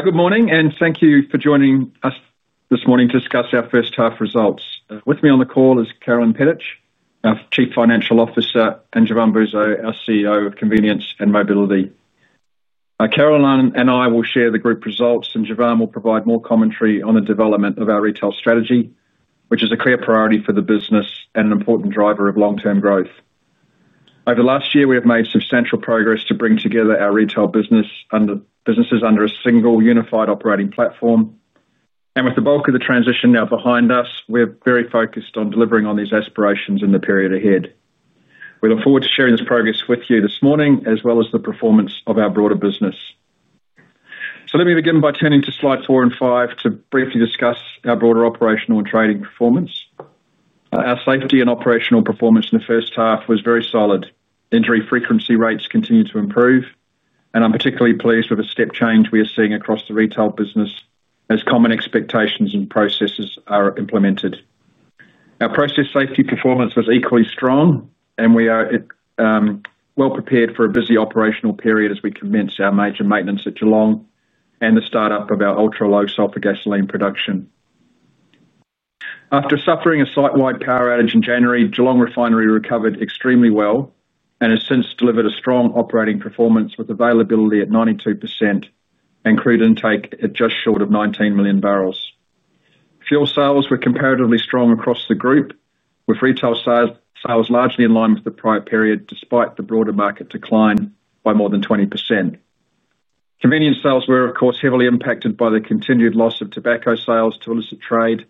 Good morning and thank you for joining us this morning to discuss our first half results. With me on the call is Carolyn Pedic, our Chief Financial Officer, and Jevan Bouzo, our CEO of Convenience and Mobility. Carolyn and I will share the group results and Jevan will provide more commentary on the development of our retail strategy, which is a clear priority for the business and an important driver of long term growth. Over the last year we have made substantial progress to bring together our retail businesses under a single unified operating platform, and with the bulk of the transition now behind us, we're very focused on delivering on these aspirations in the period ahead. We look forward to sharing this progress with you this morning as well as the performance of our broader business. Let me begin by turning to slide 4 and 5 to briefly discuss our broader operational and trading performance. Our safety and operational performance in the first half was very solid. Entry frequency rates continue to improve and I'm particularly pleased with a step change we are seeing across the retail business as common expectations and processes are implemented. Our process safety performance was equally strong and we are well prepared for a busy operational period as we commence our major maintenance at Geelong and the startup of our Ultra-Low Sulphur gasoline production. After suffering a site wide power outage in January, Geelong Refinery recovered extremely well and has since delivered a strong operating performance with availability at 92% and crude intake at just short of 19 million barrels. Fuel sales were comparatively strong across the group with retail sales largely in line with the prior period, despite the broader market decline by more than 20%. Convenience sales were of course heavily impacted by the continued loss of tobacco sales to illicit trade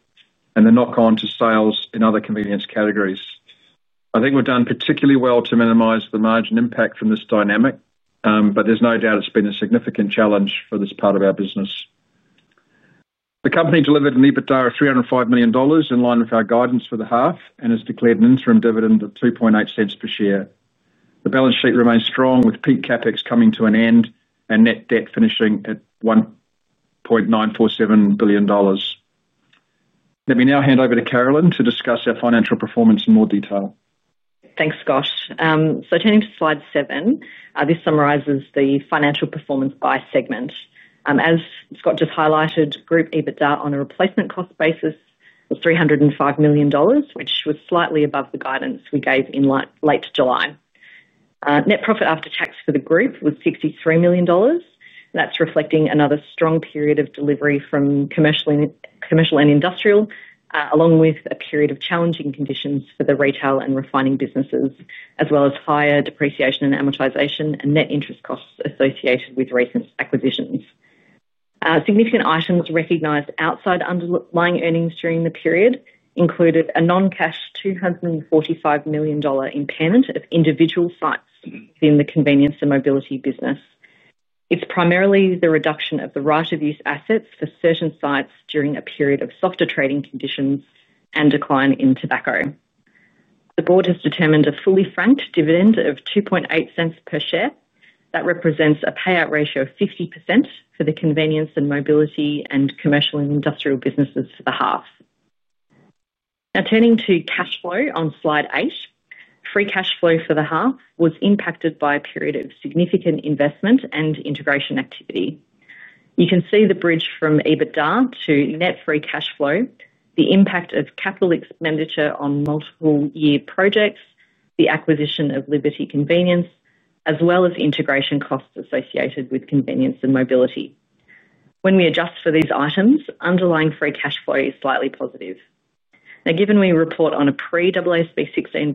and the knock on to sales in other convenience categories. I think we've done particularly well to minimize the margin impact from this dynamic, but there's no doubt it's been a significant challenge for this part of our business. The company delivered an EBITDA of 305 million dollars in line with our guidance for the half and has declared an interim dividend of 2.80 per share. The balance sheet remains strong with peak CapEx coming to an end and net debt finishing at 1.947 billion dollars. Let me now hand over to Carolyn to discuss our financial performance in more detail. Thanks Scott. Turning to slide 7, this summarises the financial performance by segment. As Scott just highlighted, group EBITDA on a replacement cost basis was 305 million dollars, which was slightly above the guidance we gave in late July. Net profit after tax for the group was 63 million dollars. That's reflecting another strong period of delivery from commercial and industrial along with a period of challenging conditions for the retail and refining businesses as well as higher depreciation and amortization and net interest costs associated with recent acquisitions. Significant items recognized outside underlying earnings during the period included a non-cash 245 million dollar impairment of individual sites in the convenience and mobility business. It's primarily the reduction of the right of use assets for certain sites during a period of softer trading conditions and decline in tobacco. The Board has determined a fully franked dividend of 2.80 per share that represents a payout ratio of 50% for the convenience and mobility and commercial and industrial businesses for the half. Now turning to cash flow on slide eight, free cash flow for the half was impacted by a period of significant investment and integration activity. You can see the bridge from EBITDA to net free cash flow, the impact of capital expenditure on multiple year projects, the acquisition of Liberty Convenience as well as integration costs associated with convenience and mobility. When we adjust for these items, underlying free cash flow is slightly positive. Now given we report on a pre-AASB 16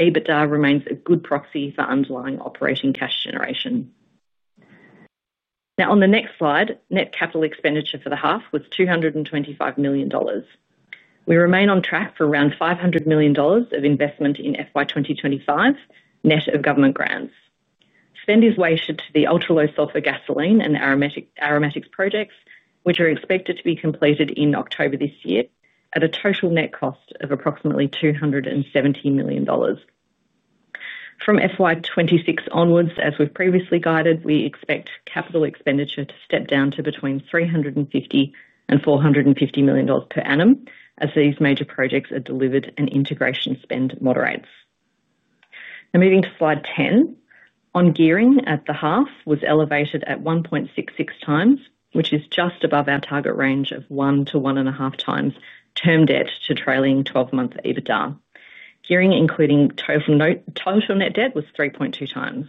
basis, EBITDA remains a good proxy for underlying operating cash generation. On the next slide, net capital expenditure for the half was 225 million dollars. We remain on track for around 500 million dollars of investment in FY 2025 net of government grants. Spend is weighted to the Ultra-Llow Sulfur gasoline and aromatics projects which are expected to be completed in October this year at a total net cost of approximately 270 million dollars. From FY 2026 onwards as we've previously guided, we expect capital expenditure to step down to between 350 million and 450 million dollars per annum as these major projects are delivered and integration spend moderates. Moving to slide 10, gearing at the half was elevated at 1.66x which is just above our target range of 1x-1.5x term debt to trailing 12 month EBITDA. Gearing including total net debt was 3.2x.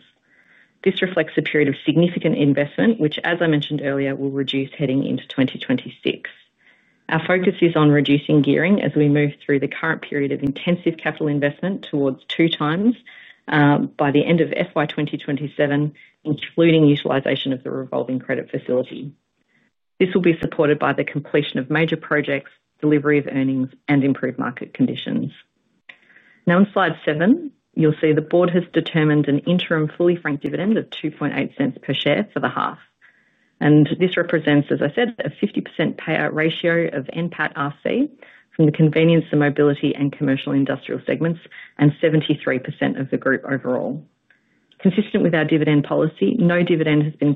This reflects a period of significant investment which, as I mentioned earlier, will reduce heading into 2026. Our focus is on reducing gearing as we move through the current period of intensive capital investment towards 2x by the end of FY 2027, including utilization of the revolving credit facility. This will be supported by the completion of major projects, delivery of earnings, and improved market conditions. Now, on slide 7, you'll see the Board has determined an interim fully franked dividend of 2.80 per share for the half, and this represents, as I said, a 50% payout ratio of NPATRC from the convenience and mobility and commercial industrial segments, and 73% of the group overall. Consistent with our dividend policy, no dividend has been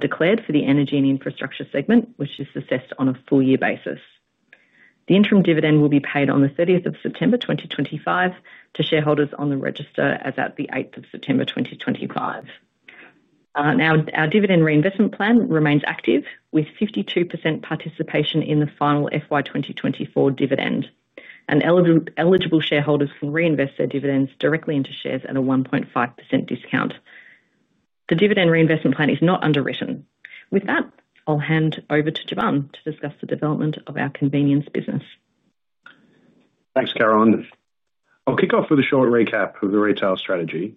declared for the energy and infrastructure segment, which is assessed on a full year basis. The interim dividend will be paid on the 30th of September, 2025, to shareholders on the register as at the 8th of September, 2025. Now, our dividend reinvestment plan remains active with 52% participation in the final FY 2024 dividend, and eligible shareholders can reinvest their dividends directly into shares at a 1.5% discount. The dividend reinvestment plan is not underwritten. With that, I'll hand over to Jevan to discuss the development of our convenience business. Thanks Carolyn, I'll kick off with a short recap of the retail strategy.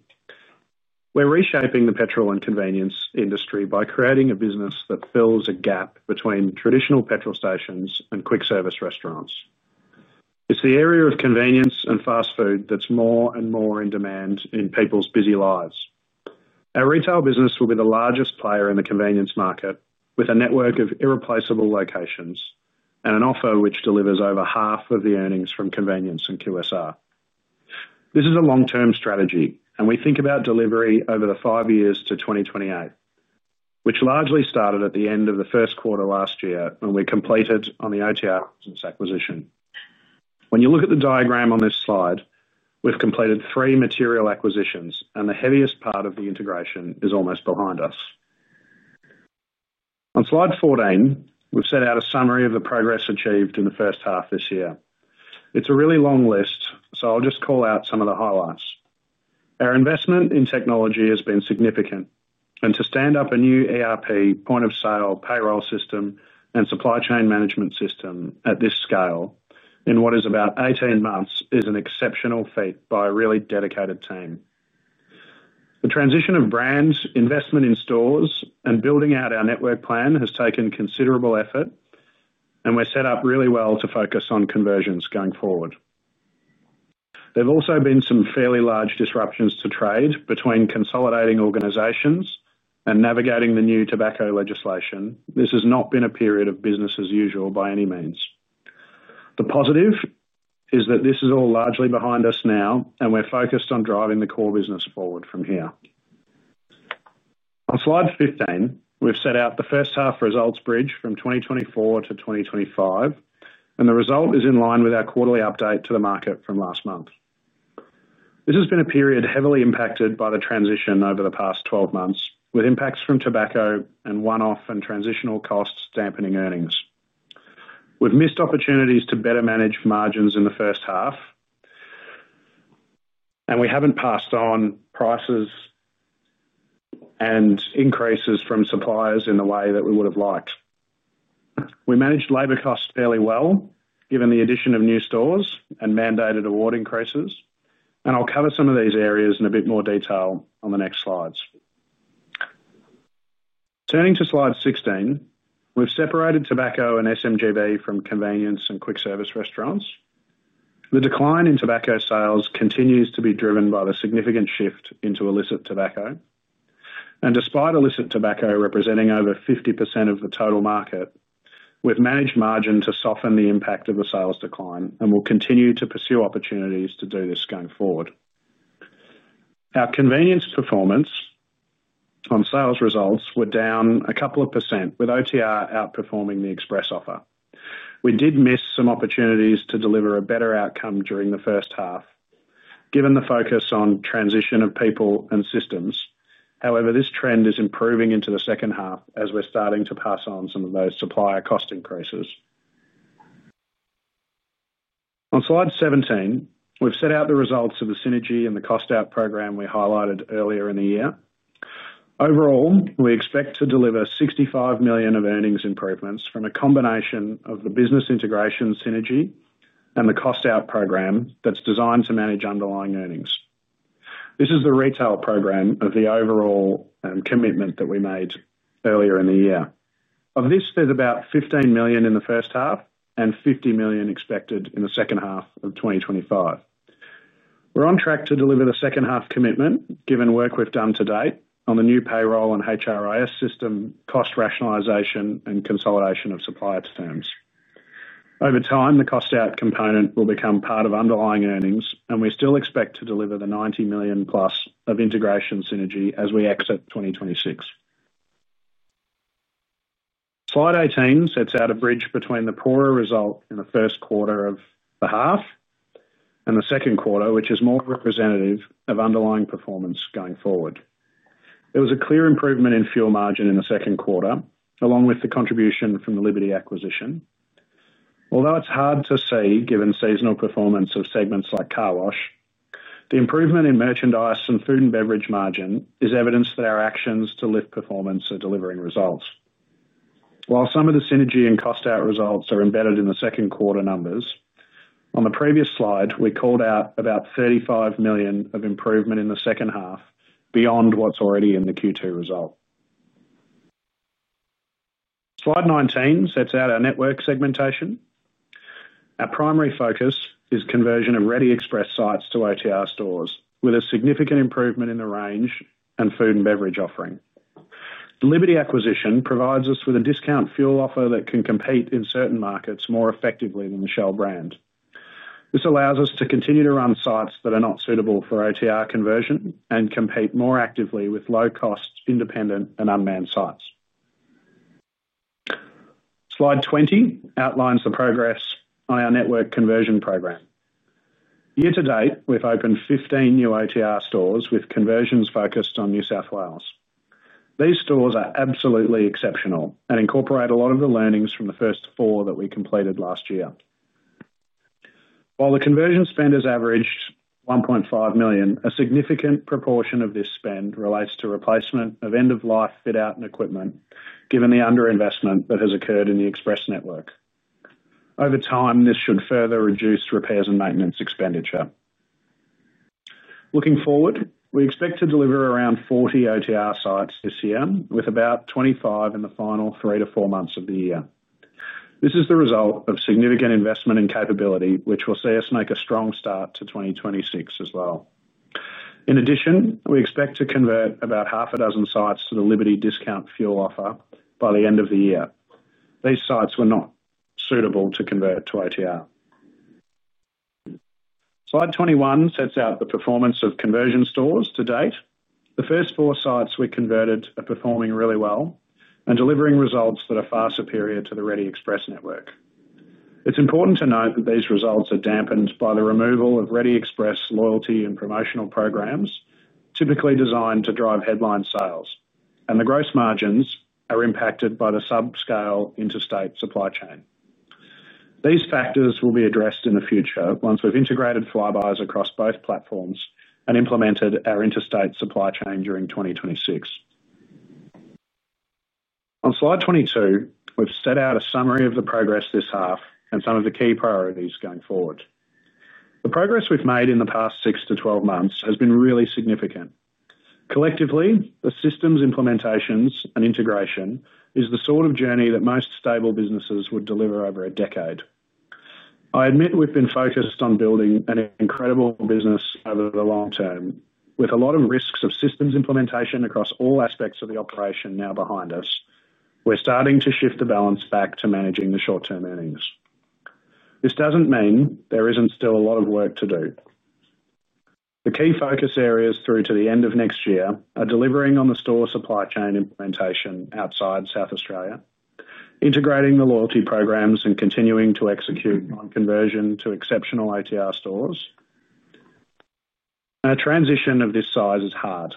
We're reshaping the petrol and convenience industry by creating a business that fills a gap between traditional petrol stations and quick service restaurants. It's the area of convenience and fast food that's more and more in demand in people's busy lives. Our retail business will be the largest player in the convenience market with a network of irreplaceable locations and an offer which delivers over half of the earnings from convenience and QSR. This is a long-term strategy and we think about delivery over the five years to 2028, which largely started at the end of the first quarter last year when we completed on the OTR acquisition. When you look at the diagram on this slide, we've completed three material acquisitions and the heaviest part of the integration is almost behind us. On slide 14, we've set out a summary of the progress achieved in the first half this year. It's a really long list, so I'll just call out some of the highlights. Our investment in technology has been significant, and to stand up a new ERP, point of sale, payroll system, and supply chain management system at this scale in what is about 18 months is an exceptional feat by a really dedicated team. The transition of brands, investment in stores, and building out our network plan has taken considerable effort and we're set up really well to focus on conversions going forward. There have also been some fairly large disruptions to trade between consolidating organizations and navigating the new tobacco legislation. This has not been a period of business as usual by any means. The positive is that this is all largely behind us now and we're focused on driving the core business forward from here. On slide 15, we've set out the first half results bridge from 2024 to 2025 and the result is in line with our quarterly update to the market from last month. This has been a period heavily impacted by the transition over the past 12 months, with impacts from tobacco and one-off and transitional costs dampening earnings. We've missed opportunities to better manage margins in the first half and we haven't passed on prices and increases from suppliers in the way that we would have liked. We managed labor costs fairly well given the addition of new stores and mandated award increases. I'll cover some of these areas in a bit more detail on the next slides. Turning to slide 16, we've separated tobacco and SMGB from convenience and quick service restaurants. The decline in tobacco sales continues to be driven by the significant shift into illicit tobacco, and despite illicit tobacco representing over 50% of the total market, we've managed margin to soften the impact of the sales decline, and we'll continue to pursue opportunities to do this going forward. Our convenience performance on sales results were down a couple of percent with OTR outperforming the Express offer. We did miss some opportunities to deliver a better outcome during the first half given the focus on transition of people and systems. However, this trend is improving into the second half as we're starting to pass on some of those supplier cost increases. On slide 17, we've set out the results of the synergy and the cost out program we highlighted earlier in the year. Overall, we expect to deliver 65 million of earnings improvements from a combination of the business integration synergy and the cost out program that's designed to manage underlying earnings. This is the retail program of the overall commitment that we made earlier in the year. Of this, there's about 15 million in the first half and 50 million expected in the second half of 2025. We're on track to deliver the second half commitment given work we've done to date on the new payroll and HRIS system, cost rationalization, and consolidation of suppliers' terms. Over time, the cost out component will become part of underlying earnings, and we still expect to deliver the 90+ million of integration synergy as we exit 2026. Slide 18 sets out a bridge between the poorer result in the first quarter of the half and the second quarter, which is more representative of underlying performance going forward. There was a clear improvement in fuel margin in the second quarter along with the contribution from the Liberty acquisition. Although it's hard to see given seasonal performance of segments like car wash, the improvement in merchandise and food and beverage margin is evidence that our actions to lift performance are delivering results. While some of the synergy and cost out results are embedded in the second quarter numbers, on the previous slide we called out about 35 million of improvement in the second half beyond what's already in the Q2 result. Slide 19 sets out our network segmentation. Our primary focus is conversion of Reddy Express sites to OTR stores with a significant improvement in the range and food and beverage offering. The Liberty acquisition provides us with a discount fuel offer that can compete in certain markets more effectively than the Shell brand. This allows us to continue to run sites that are not suitable for OTR conversion and compete more actively with low cost, independent and unmanned sites. Slide 20 outlines the progress on our network conversion program. Year to date we've opened 15 new OTR stores with conversions focused on New South Wales. These stores are absolutely exceptional and incorporate a lot of the learnings from the first four that we completed last year. While the conversion spend is averaged 1.5 million, a significant proportion of this spend relates to replacement of end of life fit out and equipment. Given the underinvestment that has occurred in the Express network over time, this should further reduce repairs and maintenance expenditure. Looking forward, we expect to deliver around 40 OTR sites this year, with about 25 in the final three to four months of the year. This is the result of significant investment and capability which will see us make a strong start to 2026 as well. In addition, we expect to convert about half a dozen sites to the Liberty discount fuel offer by the end of the year. These sites were not suitable to convert to OTR. Slide 21 sets out the performance of conversion stores to date. The first four sites we converted are performing really well and delivering results that are far superior to the Reddy Express network. It's important to note that these results are dampened by the removal of Reddy Express loyalty and promotional programs typically designed to drive headline sales and the gross margins are impacted by the subscale interstate supply chain. These factors will be addressed in the future once we've integrated Flybuys across both platforms and implemented our interstate supply chain during 2026. On slide 22 we've set out a summary of the progress this half and some of the key priorities going forward. The progress we've made in the past six to 12 months has been really significant. Collectively, the systems implementations and integration is the sort of journey that most stable businesses would deliver over a decade. I admit we've been focused on building an incredible business over the long term. With a lot of risks of systems implementation across all aspects of the operation now behind us, we're starting to shift the balance back to managing the short term earnings. This doesn't mean there isn't still a lot of work to do. The key focus areas through to the end of next year are delivering on the store supply chain, implementation outside South Australia, integrating the loyalty programs, and continuing to execute on conversion to exceptional OTR stores. A transition of this size is hard,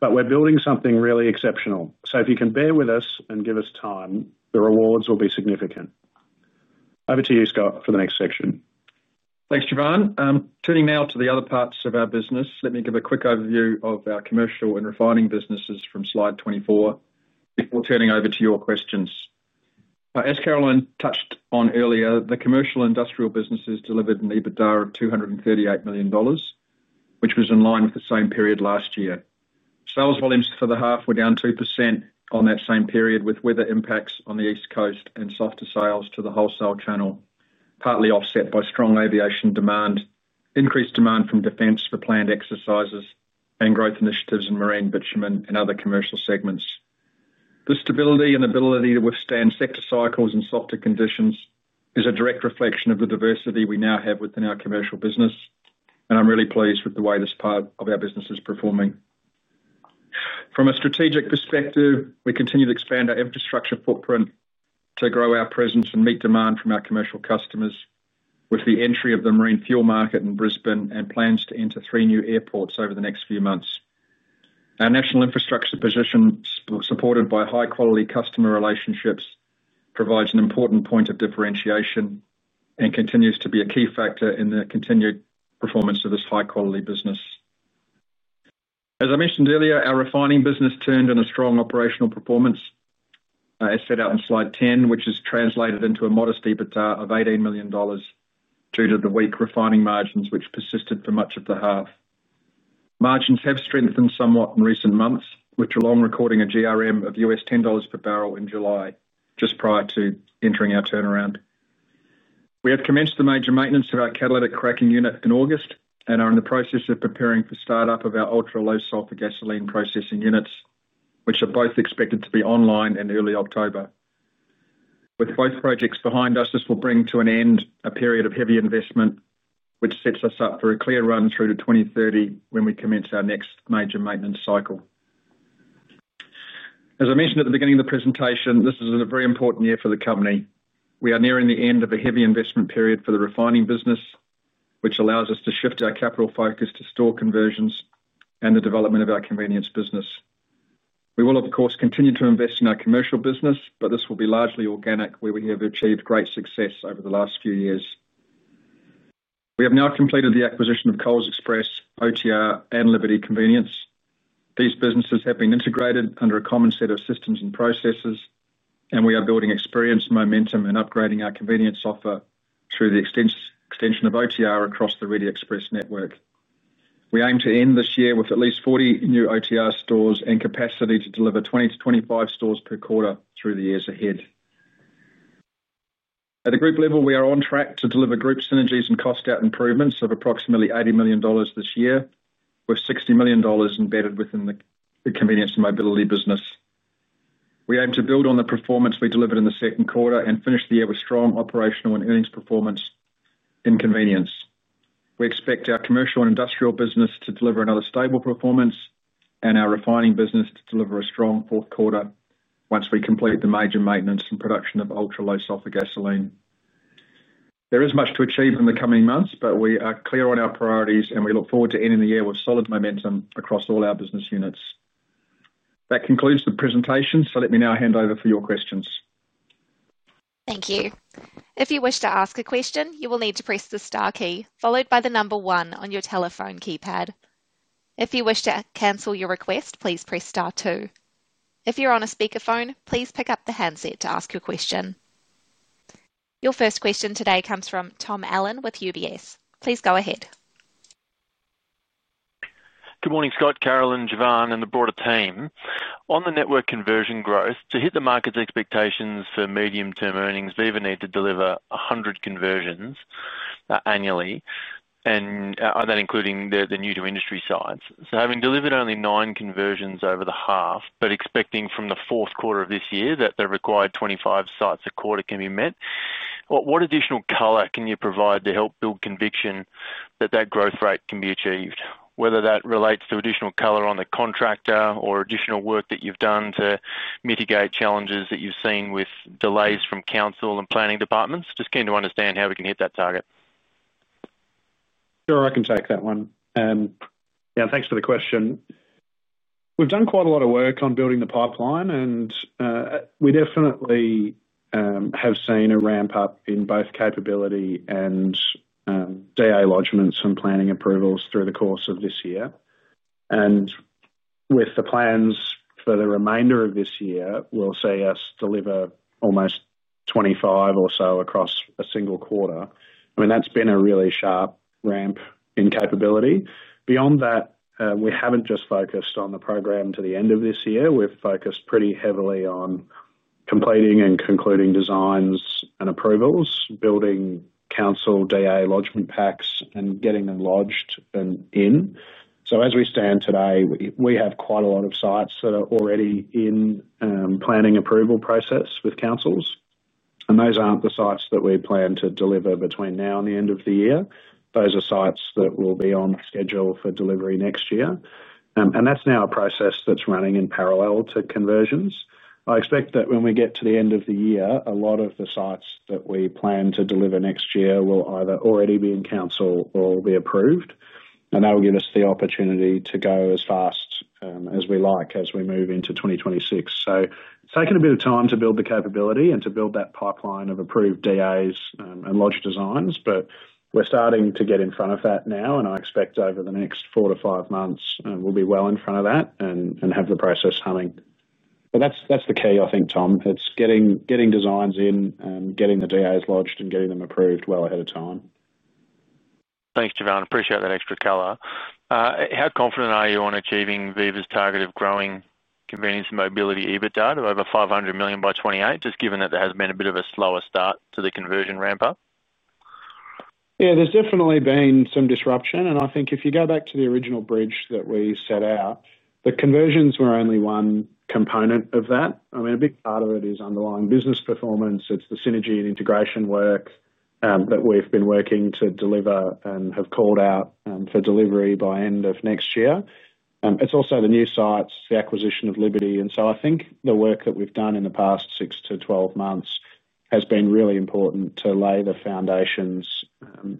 but we're building something really exceptional. If you can bear with us and give us time, the rewards will be significant. Over to you, Scott, for the next section. Thanks Jevan. Turning now to the other parts of our business, let me give a quick overview of our commercial and refining businesses from slide 24 before turning over to your questions. As Carolyn touched on earlier, the commercial industrial businesses delivered an EBITDA of 238 million dollars, which was in line with the same period last year. Sales volumes for the half were down 2% on that same period, with weather impacts on the east coast and softer sales to the wholesale channel partly offset by strong aviation demand, increased demand from Defence for planned exercises, and growth initiatives in marine, bitumen, and other commercial segments. The stability and ability to withstand sector cycles and softer conditions is a direct reflection of the diversity we now have within our commercial business, and I'm really pleased with the way this part of our business is performing from a strategic perspective. We continue to expand our infrastructure footprint to grow our presence and meet demand from our commercial customers with the entry of the marine fuel market in Brisbane and plans to enter three new airports over the next few months. Our national infrastructure position, supported by high quality customer relationships, provides an important point of differentiation and continues to be a key factor in the continued performance of this high quality business. As I mentioned earlier, our refining business turned in a strong operational performance as set out in slide 10, which is translated into a modest EBITDA of [18 million dollars] due to the weak refining margins which persisted for much of the half. Margins have strengthened somewhat in recent months with Geelong recording a GRM of $10 per barrel in July just prior to entering our turnaround. We have commenced the major maintenance of our catalytic cracking unit in August and are in the process of preparing for startup of our Ultra-Low Sulphur gasoline processing units, which are both expected to be online in early October. With both projects behind us, this will bring to an end a period of heavy investment which sets us up for a clear run through to 2030 when we commence our next major maintenance cycle. As I mentioned at the beginning of the presentation, this is a very important year for the company. We are nearing the end of a heavy investment period for the refining business, which allows us to shift our capital focus to store conversions and the development of our convenience business. We will of course continue to invest in our commercial business, but this will be largely organic where we have achieved great success over the last few years. We have now completed the acquisition of Coles Express, OTR, and Liberty Convenience. These businesses have been integrated under a common set of systems and processes, and we are building experience, momentum, and upgrading our convenience software through the extension of OTR stores across the Reddy Express network. We aim to end this year with at least 40 new OTR stores and capacity to deliver 20-25 stores per quarter through the years ahead. At the group level, we are on track to deliver group synergies and cost out improvements of approximately 80 million dollars this year, with 60 million dollars embedded within the convenience and mobility business. We aim to build on the performance we delivered in the second quarter and finish the year with strong operational and earnings performance in convenience. We expect our commercial and industrial business to deliver another stable performance, and our refining business to deliver a strong fourth quarter once we complete the major maintenance and production of Ultra-Low Sulphur gasoline. There is much to achieve in the coming months, but we are clear on our priorities, and we look forward to ending the year with solid momentum across all our business units. That concludes the presentation, so let me now hand over for your questions. Thank you. If you wish to ask a question, you will need to press the STAR key followed by the number one on your telephone keypad. If you wish to cancel your request, please press STAR two. If you're on a speakerphone, please pick up the handset to ask your question. Your first question today comes from Tom Allen with UBS. Please go ahead. Good morning, Scott, Carolyn, Jevan, and the broader team. On the network conversion growth to hit the market's expectations for medium term earnings, Viva needs to deliver 100 conversions annually, including the new to industry sites. Having delivered only nine conversions over the half, but expecting from the fourth quarter of this year that the required 25 sites a quarter can be met, what additional color can you provide to help build conviction that that growth rate can be achieved? Whether that relates to additional color on the contractor or additional work that you've done to mitigate challenges that you've seen with delays from council and planning departments, just keen to understand how we can hit that target. Sure, I can take that one. Thanks for the question. We've done quite a lot of work on building the pipeline, and we definitely have seen a ramp up in both capability and DA lodgements and planning approvals through the course of this year. With the plans for the remainder of this year, we'll see us deliver almost 25 or so across a single quarter. I mean, that's been a really sharp ramp in capability. Beyond that, we haven't just focused on the program to the end of this year, we've focused pretty heavily on completing and concluding designs and approvals, building council DA lodgement packs, and getting them lodged and in. As we stand today, we have quite a lot of sites that are already in planning approval process with councils, and those aren't the sites that we plan to deliver between now and the end of the year. Those are sites that will be on schedule for delivery next year. That's now a process that's running in parallel to conversions. I expect that when we get to the end of the year, a lot of the sites that we plan to deliver next year will either already be in council or will be approved, and that will give us the opportunity to go as fast as we like as we move into 2026. It's taken a bit of time to build the capability and to build that pipeline of approved DAs and lodged designs, but we're starting to get in front of that now. I expect over the next four to five months we'll be well in front of that and have the process humming. That's the key, I think, Tom. It's getting designs in, getting the DAs lodged, and getting them approved well ahead of time. Thanks, Javan. Appreciate that extra color. How confident are you on achieving Viva's target of growing convenience and mobility EBITDA to over 500 million by 2028, just given that there has been a bit of a slower start to the conversion ramp up? Yeah, there's definitely been some disruption. I think if you go back to the original bridge that we set out, the conversions were only one component of that. A big part of it is underlying business performance. It's the synergy and integration work that we've been working to deliver and have called out for delivery by end of next year. It's also the new sites, the acquisition of Liberty. I think the work that we've done in the past six to 12 months has been really important to lay the foundations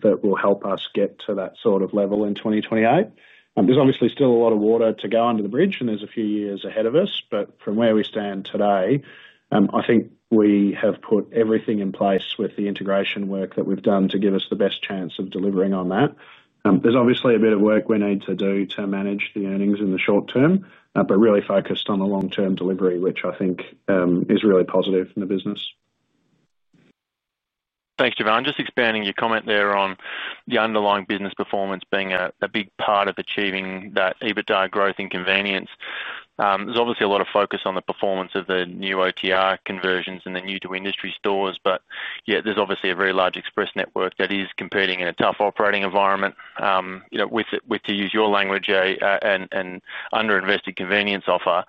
that will help us get to that sort of level in 2028. There's obviously still a lot of water to go under the bridge, and there's a few years ahead of us. From where we stand today, I think we have put everything in place with the integration work that we've done to give us the best chance of delivering on that. There's obviously a bit of work we need to do to manage the earnings in the short term, but really focused on the long term delivery, which I think is really positive in the business. Thanks, Jevan. I'm just expanding your comment there on the underlying business performance being a big part of achieving that EBITDA growth in convenience. There's obviously a lot of focus on the performance of the new OTR store conversions and the new to industry store. There's obviously a very large Express network that is competing in a tough operating environment with, to use your language, an underinvested convenience offer.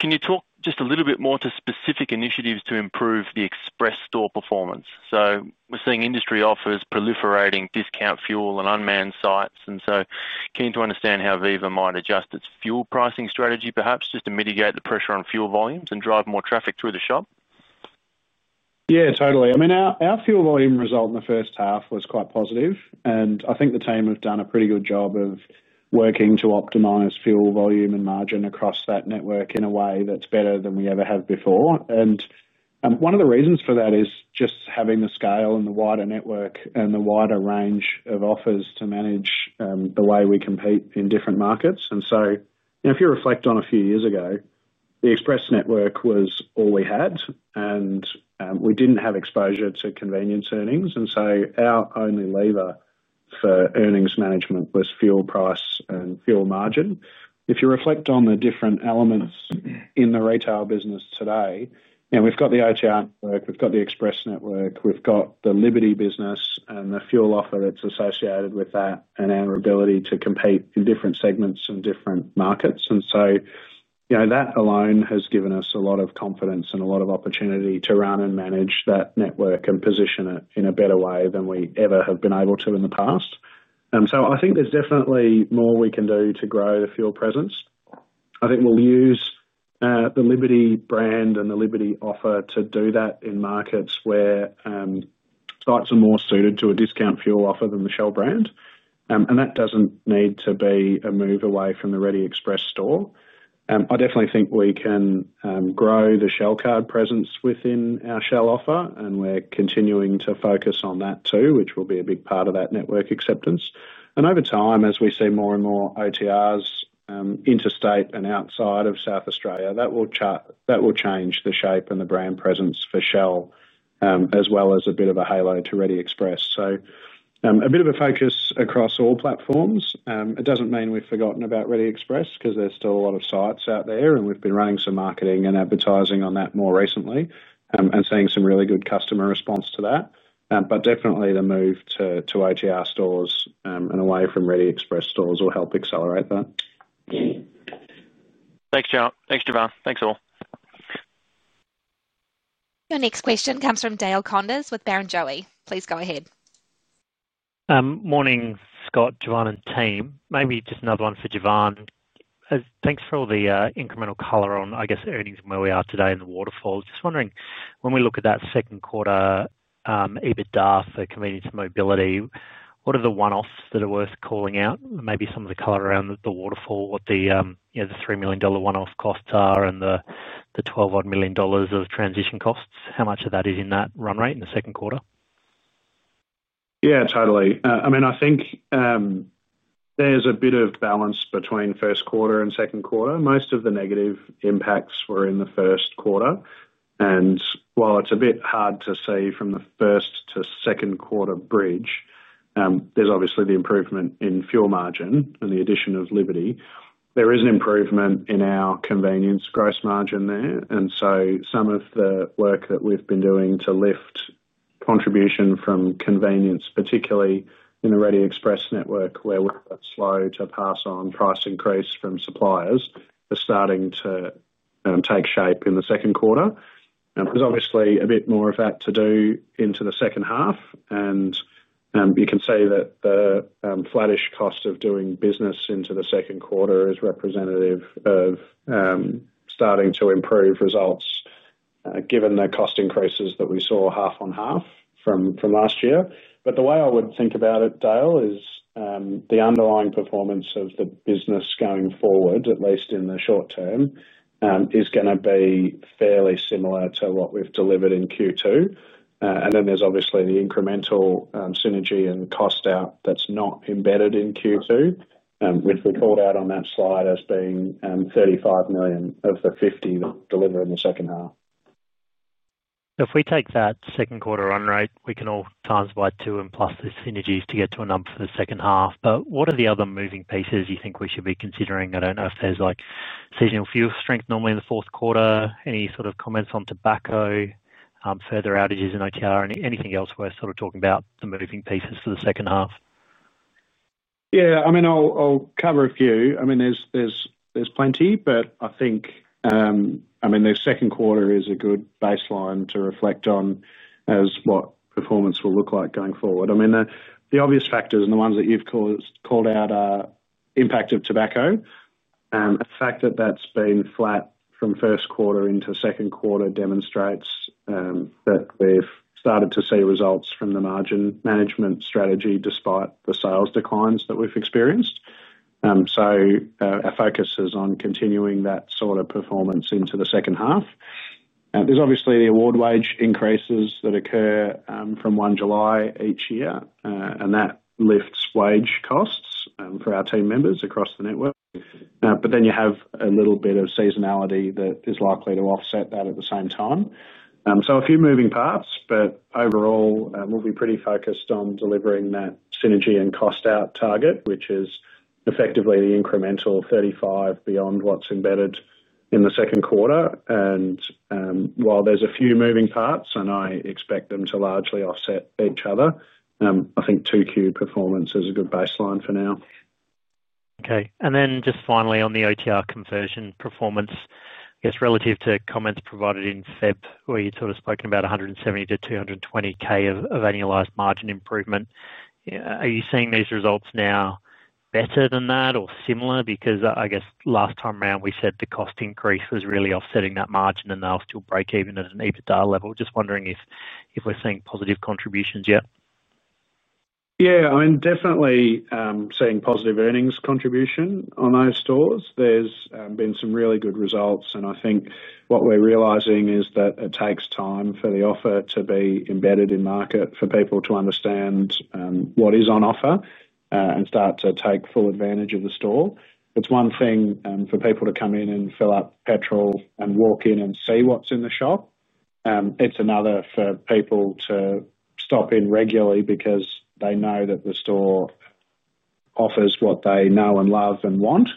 Can you talk just a little bit more to specific initiatives to improve the Express store performance? We're seeing industry offers proliferating discount fuel and unmanned sites, and I'm keen to understand how Viva might adjust its fuel pricing strategy, perhaps just to mitigate the pressure on fuel volumes and drive more traffic through the shop. Yeah, totally. I mean, our fuel volume result in the first half was quite positive, and I think the team have done a pretty good job of working to optimize fuel volume and margin across that network in a way that's better than we ever have before. One of the reasons for that is just having the scale and the wider network and the wider range of offers to manage the way we compete in different markets. If you reflect on a few years ago, the Express network was all we had, and we didn't have exposure to convenience earnings. Our only lever for earnings management was fuel price and fuel margin. If you reflect on the different elements in the retail business today, we've got the OTR stores network, we've got the CoExpress network, we've got the Liberty business and the fuel offer that's associated with that, and our ability to compete in different segments and different markets. That alone has given us a lot of confidence and a lot of opportunity to run and manage that network and position it in a better way than we ever have been able to in the past. I think there's definitely more we can do to grow the fuel presence. I think we'll use the Liberty brand and the Liberty offer to do that in markets where sites are more suited to a discount fuel offer than the Shell brand. That doesn't need to be a move away from the Reddy Express store. I definitely think we can grow the Shell Card presence within our Shell offer, and we're continuing to focus on that too, which will be a big part of that network acceptance. Over time, as we see more and more OTR stores interstate and outside of South Australia, that will change the shape and the brand presence for Shell as well as a bit of a halo to Reddy Express. A bit of a focus across all platforms. It doesn't mean we've forgotten about Reddy Express because there's still a lot of sites out there, and we've been running advertising on that more recently and seeing some really good customer response to that. Definitely, the move to OTR stores and away from Reddy Express stores will help accelerate that. Thanks Jevan. Thanks, Jevan. Thanks all. Your next question comes from Dale Koenders with Barrenjoey. Please go ahead. Morning Scott, Jevan, and team. Maybe just another one for Jevan. Thanks for all the incremental color on I guess earnings and where we are today in the waterfall. Just wondering when we look at that second quarter EBITDA for convenience mobility, what are the one offs that are worth calling out? Maybe some of the color around the waterfall, what the 3 million dollar one off costs are and the [12.1 million dollars] of transition costs, how much of that is in that run rate in the second quarter? Yeah, totally. I mean I think there's a bit of balance between first quarter and second quarter. Most of the negative impacts were in the first quarter, and while it's a bit hard to see from the first to second quarter bridge, there's obviously the improvement in fuel margin and the addition of Liberty, there is an improvement in our convenience gross margin there. Some of the work that we've been doing to lift contribution from convenience, particularly in the Reddy Express network where we're slow to pass on price increase from suppliers, are starting to take shape in the second quarter. There's obviously a bit more of that to do into the second half, and you can see that the flattish cost of doing business into the second quarter is representative of starting to improve results given the cost increases that we saw half on half from last year. The way I would think about it, Dale, is the underlying performance of the business going forward, at least in the short term, is going to be fairly similar to what we've delivered in Q2. There's obviously the incremental synergy and cost out that's not embedded in Q2, which we called out on that slide as being 35 million of the 50 million that will deliver in the second half. If we take that second quarter run rate, we can all times by 2 and plus the synergies to get to a number for the second half. What are the other moving pieces you think we should be considering? I don't know if there's like seasonal fuel strength normally in the fourth quarter. Any sort of comments on tobacco, further outages in OTR? Anything else worth sort of talking about, the moving pieces for the second half? Yeah, I mean I'll cover a few. I mean there's plenty. I think the second quarter is a good baseline to reflect on as what performance will look like going forward. The obvious factors and the ones that you've called out, impact of tobacco, the fact that that's been flat from first quarter into second quarter demonstrates that we've started to see results from the margin management strategy despite the sales declines that we've experienced. Our focus is on continuing that sort of performance into the second half. There's obviously the award wage increases that occur from 1 July each year and that lifts wage costs for our team members across the network. You have a little bit of seasonality that is likely to offset that at the same time. A few moving parts but overall we'll be pretty focused on delivering that synergy and cost out target which is effectively the incremental 35 beyond what's embedded in the second quarter. While there's a few moving parts and I expect them to largely offset each other, I think 2Q performance is a good baseline for now. Okay.Finally, on the OTR conversion performance, it's relative to comments provided in Feb where you'd sort of spoken about 170,000-220,000 of annualized margin improvement. Are you seeing these results now better than that or similar? I guess last time around we said the cost increase was really offsetting that margin and now still break even at an EBITDA level. Just wondering if we're seeing positive contributions yet. Yeah, I mean definitely seeing positive earnings contribution on those stores. There's been some really good results, and I think what we're realizing is that it takes time for the offer to be embedded in market for people to understand what is on offer and start to take full advantage of the store. It's one thing for people to come in and fill up petrol and walk in and see what's in the shop, and it's another for people to stop in regularly because they know that the store offers what they know and love and want.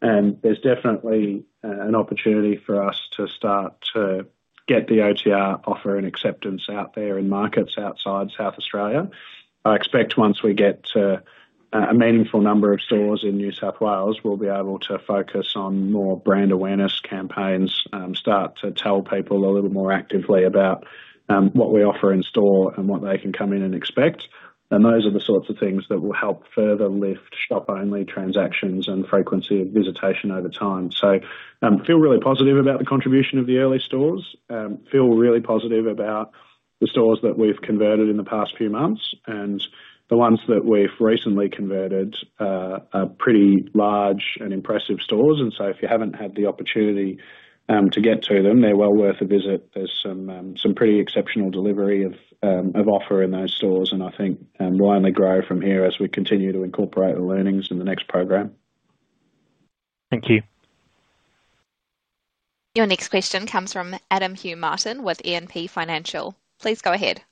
There's definitely an opportunity for us to start to get the OTR offer and acceptance out there in markets outside South Australia. I expect once we get a meaningful number of stores in New South Wales, we'll be able to focus on more brand awareness campaigns, start to tell people a little more actively about what we offer in store and what they can come in and expect. Those are the sorts of things that will help further lift shop only transactions and frequency of visitation over time. I feel really positive about the contribution of the early stores. I feel really positive about the stores that we've converted in the past few months. The ones that we've recently converted are pretty large and impressive stores. If you haven't had the opportunity to get to them, they're well worth a visit. There's some pretty exceptional delivery of offer in those stores, and I think we'll only grow from here as we continue to incorporate the learnings in the next program. Thank you. Your next question comes from Adam [Hugh] Martin with E&P Financial. Please go ahead.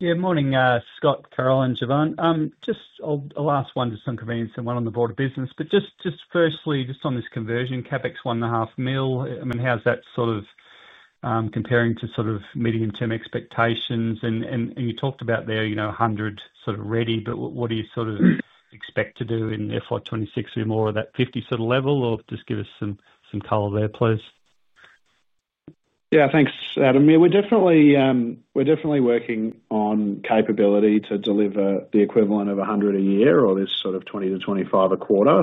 Yeah, morning Scott, Carolyn, and Jevan. Just the last one just on convenience and one on the broader business. Just firstly, on this conversion CapEx 1.5 million. How's that sort of comparing to medium-term expectations? You talked about there, you know, 100 sort of ready, but what do you expect to do in FY 2026 or more of that 50 sort of level or just give us some color there, please. Yeah, thanks Adam. Yeah, we're definitely working on capability to deliver the equivalent of 100 a year or this sort of 20-25 a quarter.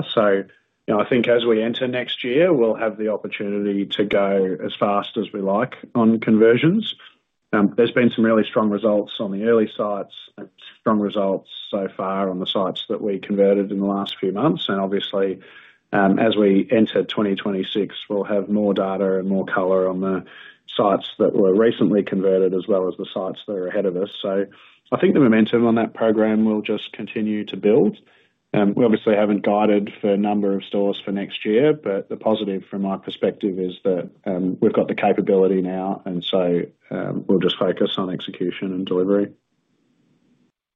I think as we enter next year we'll have the opportunity to go as fast as we like on conversions. There's been some really strong results on the early sites, strong results so far on the sites that we converted in the last few months. Obviously, as we enter 2026, we'll have more data and more color on the sites that were recently converted as well as the sites that are ahead of us. I think the momentum on that program will just continue to build. We obviously haven't guided for a number of stores for next year, but the positive from my perspective is that we've got the capability now and we'll just focus on execution and delivery.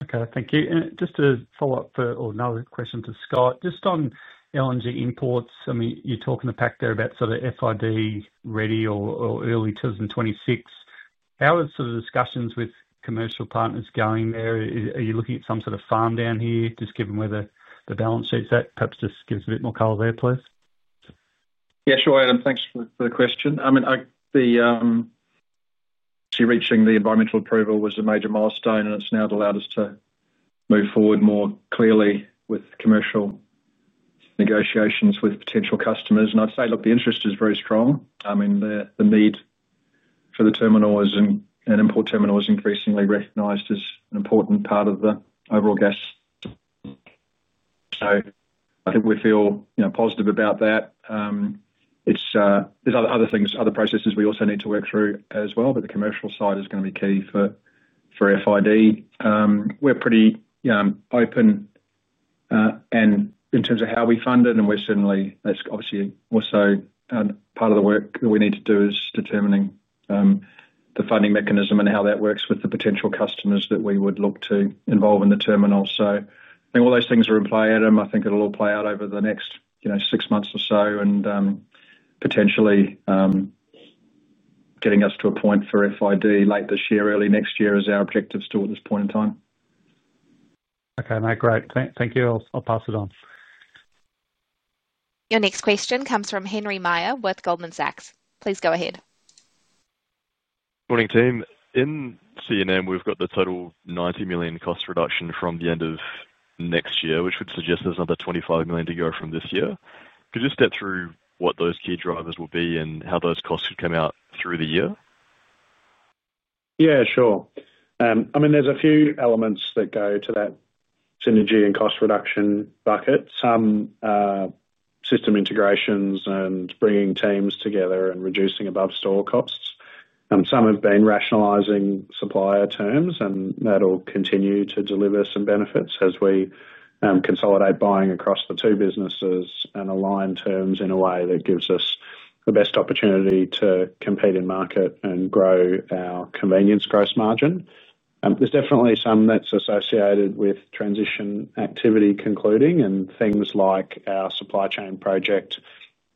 Okay, thank you. Just a follow up for another question to Scott. Just on LNG imports. I mean you talk in the pack there about sort of FID ready or early 2026. How are discussions with commercial partners going there. Are you looking at some sort of farm down here just given where the balance sheet's at? Perhaps just give us a bit more color there please. Yeah, sure. Adam, thanks for the question. I mean, reaching the environmental approval was a major milestone, and it's now allowed us to move forward more clearly with commercial negotiations with potential customers. I'd say, look, the interest is very strong. I mean, the need for the terminal, an import terminal is increasingly recognized as an important part of the overall gas. I think we feel positive about that. There are other things, other processes we also need to work through as well. The commercial side is going to be key for FID. We're pretty open in terms of how we fund it, and we're certainly, obviously, also part of the work that we need to do is determining the funding mechanism and how that works with the potential customers that we would look to involve in the terminal. All those things are in play, Adam. I think it'll all play out over the next, you know, six months or so. Potentially getting us to a point for FID late this year, early next year is our objective still at this point in time. Okay, great, thank you. I'll pass it on. Your next question comes from Henry Meyer with Goldman Sachs. Please go ahead. Morning team. In CNM we've got the total 90 million cost reduction from the end of next year, which would suggest there's another 25 million to go from this year. Could you step through what those key drivers will be and how those costs should come out through the year? Yeah, sure. I mean there's a few elements that go to that synergy and cost reduction bucket, some system integrations and bringing teams together and reducing above store costs. Some have been rationalizing supplier terms and that will continue to deliver some benefits as we consolidate buying across the two businesses and align terms in a way that gives us the best opportunity to compete in market and grow our convenience gross margin. There's definitely some that's associated with transition activity concluding and things like our supply chain project,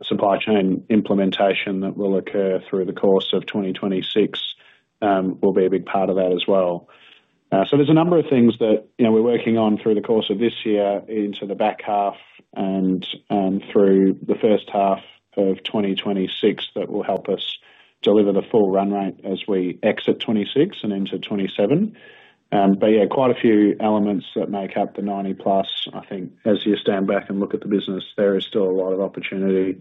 supply chain implementation that will occur through the course of 2026 will be a big part of that as well. There's a number of things that we're working on through the course of this year into the back half and through the first half of 2026 that will help us deliver the full run rate as we exit 2026 and into 2027. Quite a few elements make up the 90+. I think as you stand back and look at the business, there is still a lot of opportunity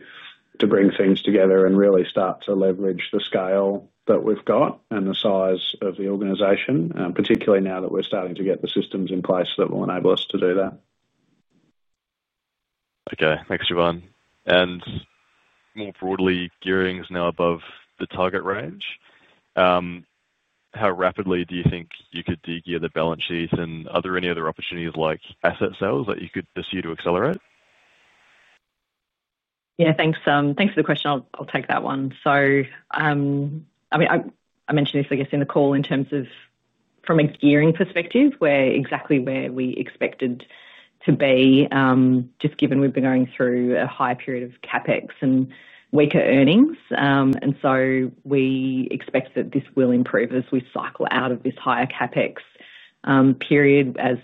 to bring things together and really start to leverage the scale that we've got and the size of the organization, particularly now that we're starting to get the systems in place that will enable us to do that. Okay, thanks, Jevan. More broadly, gearing is now above the target range. How rapidly do you think you could degear the balance sheet, and are there any other opportunities like asset sales that you could pursue to accelerate? Yeah, thanks. Thanks for the question. I'll take that one. I mentioned this, I guess in the call in terms of from a gearing perspective, we're exactly where we expected to be, just given we've been going through a high period of CapEx and weaker earnings. We expect that this will improve as we cycle out of this higher CapEx period. As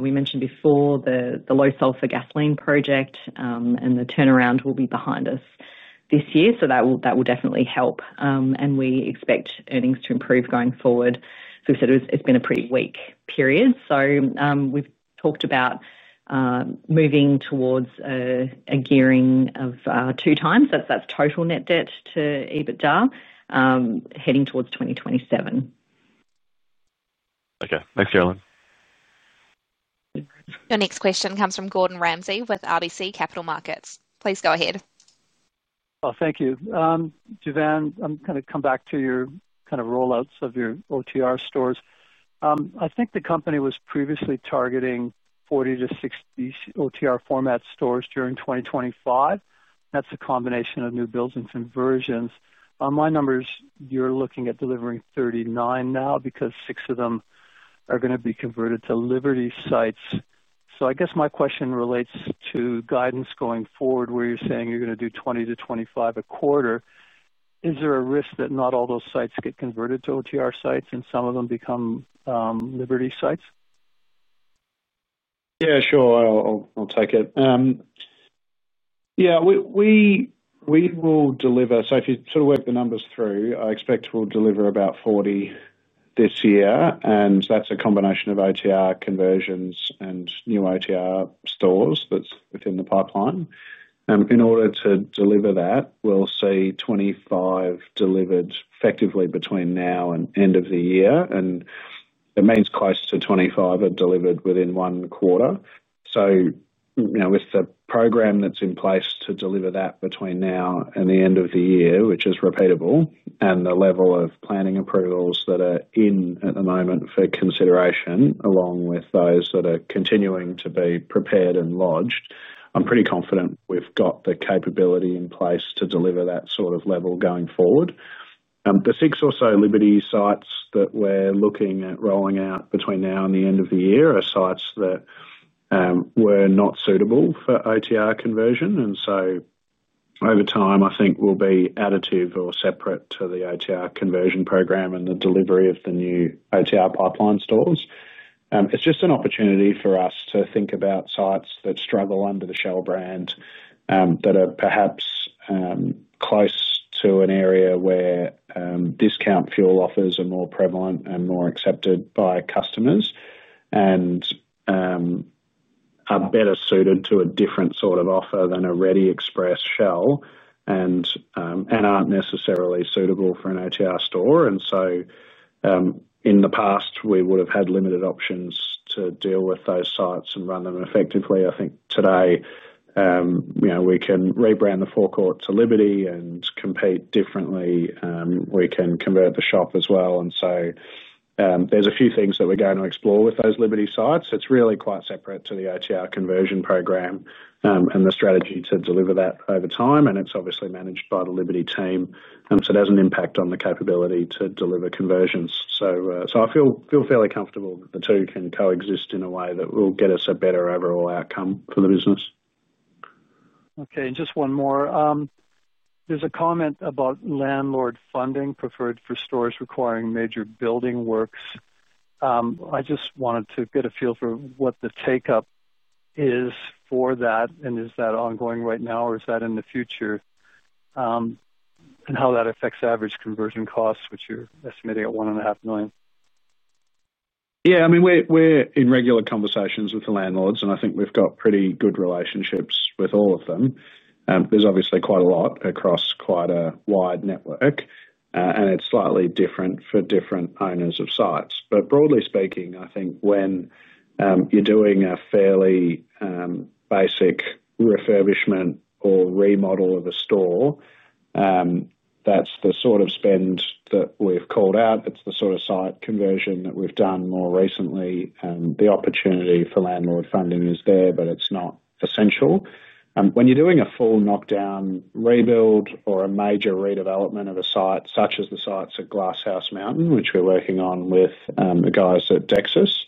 we mentioned before, the Low Sulphur gasoline project and the turnaround will be behind us this year. That will definitely help, and we expect earnings to improve going forward. We said it's been a pretty weak period. We've talked about moving towards a gearing of 2x. That's total net debt to EBITDA heading towards 2027. Okay, thanks, Carolyn. Your next question comes from Gordon Ramsay with RBC Capital Markets. Please go ahead. Thank you. Jevan, I'm going to come back to your kind of rollouts of your OTR stores. I think the company was previously targeting. 40-60 OTR format stores during 2025. That's a combination of new builds and conversions. On my numbers, you're looking at delivering 39 now because six of them are going to be converted to Liberty sites. I guess my question relates to guidance going forward where you're saying you're going to do 20-25 a quarter. Is there a risk that not all those sites get converted to OTR sites and some of them become Liberty sites? Yeah, sure, I'll take it. Yeah, we will deliver. If you sort of work the numbers through, I expect we'll deliver about 40 this year, and that's a combination of OTR conversions and new OTR stores. That's within the pipeline. In order to deliver that, we'll see 25 delivered effectively between now and end of the year, and it means close to 25 are delivered within one quarter. With the program that's in place to deliver that between now and the end of the year, which is repeatable, and the level of planning approvals that are in at the moment for consideration along with those that are continuing to be prepared and lodged, I'm pretty confident we've got the capability in place to deliver that sort of level going forward. The six or so Liberty sites that we're looking at rolling out between now and the end of the year are sites that were not suitable for OTR conversion. Over time I think they will be additive or separate to the OTR conversion program and the delivery of the new OTR pipeline stores. It's just an opportunity for us to think about sites that struggle under the Shell brand, that are perhaps close to an area where discount fuel offers are more prevalent and more accepted by customers and are better suited to a different sort of offer than a Reddy Express Shell and aren't necessarily suitable for an OTR store. In the past we would have had limited options to deal with those sites and run them effectively. I think today we can rebrand the forecourt to Liberty and compete differently. We can convert the shop as well, and there's a few things that we're going to explore with those Liberty sites. It's really quite separate to the OTR conversion program and the strategy to deliver that over time, and it's obviously managed by the Liberty team, so it has an impact on the capability to deliver conversions. I feel fairly comfortable that the two can coexist in a way that will get us a better overall outcome for the business. Okay, just one more. There's a comment about landlord funding preferred for stores requiring major building works. I just wanted to get a feel for what the take up is for that. Is that ongoing right now? Is that in the future, and how that affects average conversion costs, which you're estimating at 1.5 million? Yeah, I mean, we're in regular conversations with the landlords and I think we've got pretty good relationships with all of them. There's obviously quite a lot across quite a wide network and it's slightly different for different owners of sites. Broadly speaking, I think when you're doing a fairly basic refurbishment or remodel of a store, that's the sort of spend that we've called out. It's the sort of site conversion that we've done more recently and the opportunity for landlord funding is there, but it's not essential when you're doing a full knockdown rebuild or a major redevelopment of a site, such as the sites at Glasshouse Mountain, which we're working on with the guys at Dexus.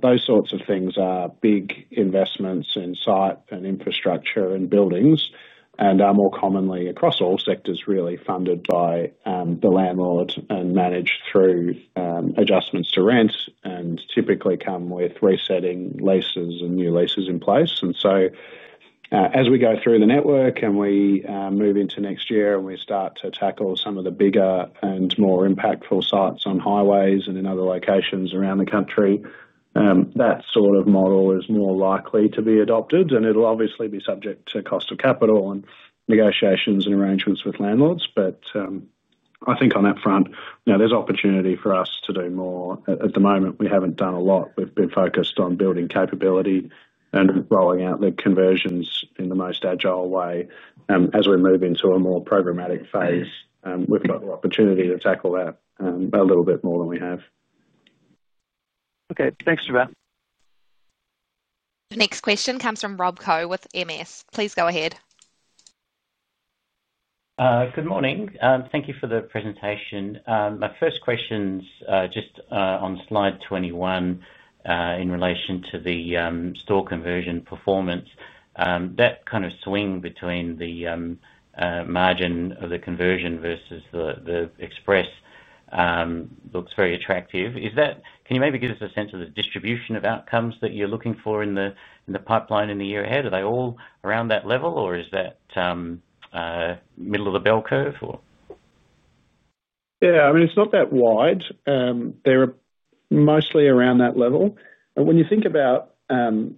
Those sorts of things are big investments in site and infrastructure and buildings and more commonly across all sectors, really funded by the landlord and managed through adjustments to rent and typically come with resetting leases and new leases in place. As we go through the network and we move into next year and we start to tackle some of the bigger and more impactful sites on highways and in other locations around the country, that sort of model is more likely to be adopted and it'll obviously be subject to cost of capital and negotiations and arrangements with landlords. I think on that front now there's opportunity for us to do more. At the moment, we haven't done a lot. We've been focused on building capability and rolling out the conversions in the most agile way. As we move into a more programmatic phase, we've got opportunity to tackle that a little bit more than we have. Okay, thanks, Jevan. Next question comes from Rob Coe with MS. Please go ahead. Good morning. Thank you for the presentation. My first question's just on slide 21. In relation to the store conversion performance, that kind of swing between the margin of the conversion versus the Express looks very attractive. Can you maybe give us a sense of the distribution of outcomes that you're looking for in the pipeline in the year ahead? Are they all around that level or is that middle of the bell curve? Yeah, I mean, it's not that wide. They're mostly around that level. When you think about the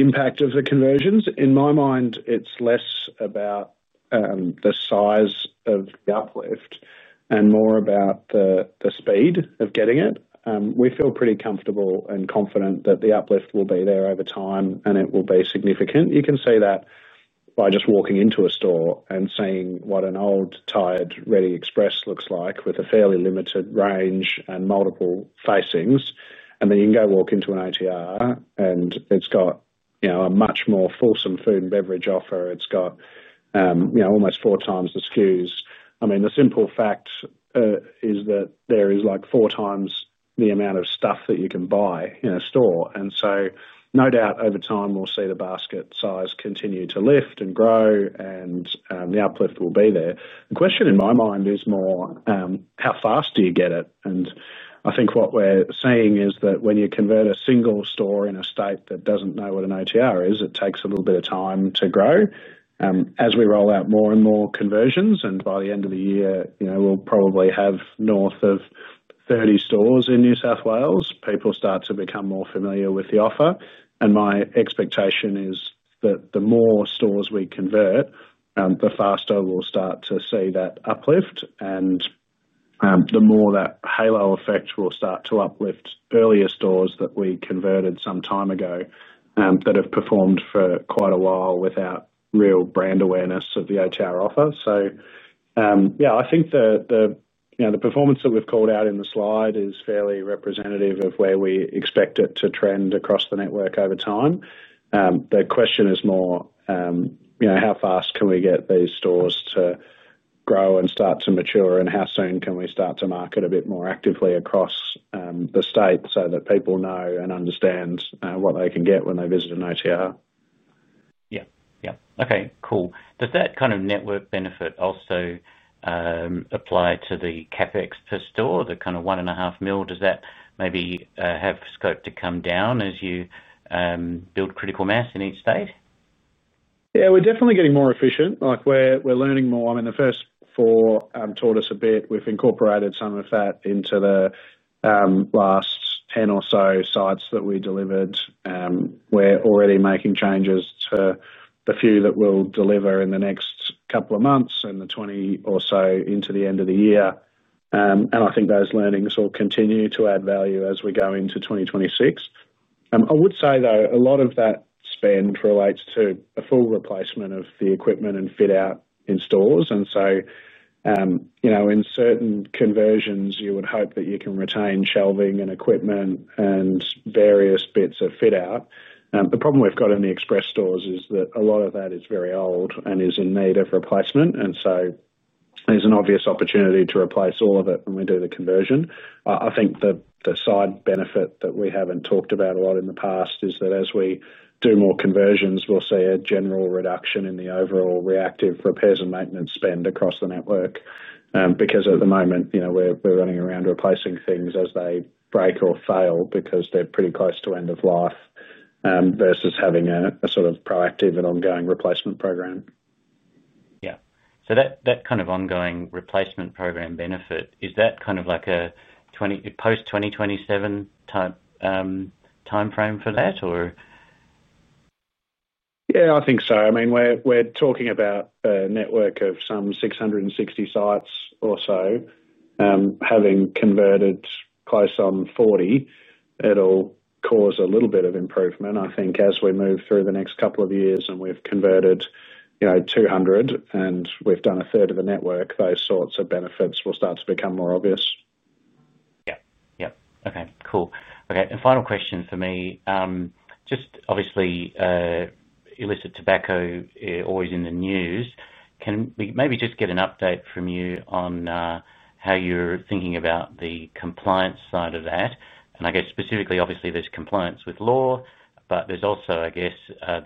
impact of the conversions, in my mind it's less about the size of the uplift and more about the speed of getting it. We feel pretty comfortable and confident that the uplift will be there over time and it will be significant. You can see that by just walking into a store and seeing what an old tired Reddy Express looks like with a fairly limited range and multiple facings, then you can go walk into an OTR and it's got, you know, a much more fulsome food and beverage offer. It's got, you know, almost four times the SKUs. I mean, the simple fact is that there is like 4x the amount of stuff that you can buy in a store. No doubt over time we'll see the basket size continue to lift and grow and the uplift will be there. The question in my mind is more how fast do you get it? I think what we're seeing is that when you convert a single store in a state that doesn't know what an OTR is, it takes a little bit of time to grow as we roll out more and more conversions. By the end of the year, you know, we'll probably have north of 30 stores in New South Wales, people start to become more familiar with the offer. My expectation is that the more stores we convert, the faster we'll start to see that uplift and the more that halo effect will start to uplift earlier stores that we converted some time ago that have performed for quite a while without real brand awareness of the OTR offer. I think the performance that we've called out in the slide is fairly representative of where we expect it to trend across the network over time. The question is more, you know, how fast can we get these stores to grow and start to mature and how soon can we start to market a bit more actively across the state so that people know and understand what they can get when they visit an OTR? Yeah. Okay, cool. Does that kind of network benefit also apply to the CapEx per store, the kind of 1.5 million? Does that maybe have scope to come down as you build critical mass in each state? Yeah, we're definitely getting more efficient. We're learning more. The first four taught us a bit. We've incorporated some of that into the last 10 or so sites that we delivered. We're already making changes to the few that we'll deliver in the next couple of months and the 20 or so into the end of the year. I think those learnings will continue to add value as we go into 2026. I would say though, a lot of that spend relates to a full replacement of the equipment and fit out in stores. In certain conversions you would hope that you can retain shelving and equipment and various bits of fit out. The problem we've got in the express stores is that a lot of that is very old and is in need of replacement. There's an obvious opportunity to replace all of it when we do the conversion. I think the side benefit that we haven't talked about a lot in the past is that as we do more conversions, we'll see a general reduction in the overall reactive repairs and maintenance spend across the network. At the moment, we're running around replacing things as they break or fail because they're pretty close to end of life versus having a sort of proactive and ongoing replacement program. Yeah, so that kind of ongoing replacement program benefit, is that kind of like a post-2027 type time frame for that? Yeah, I think so. I mean, we're talking about a network of some 660 sites or so. Having converted close on 40, it'll cause a little bit of improvement. I think as we move through the next couple of years and we've converted, you know, 200 and we've done 1/3 of the network, those sorts of benefits will start to become more obvious. Yeah. Okay, cool. Okay, and final question for me, just obviously illicit tobacco always in the news. Can we maybe just get an update from you on how you're thinking about the compliance side of that, and I guess specifically, obviously there's compliance with law, but there's also, I guess,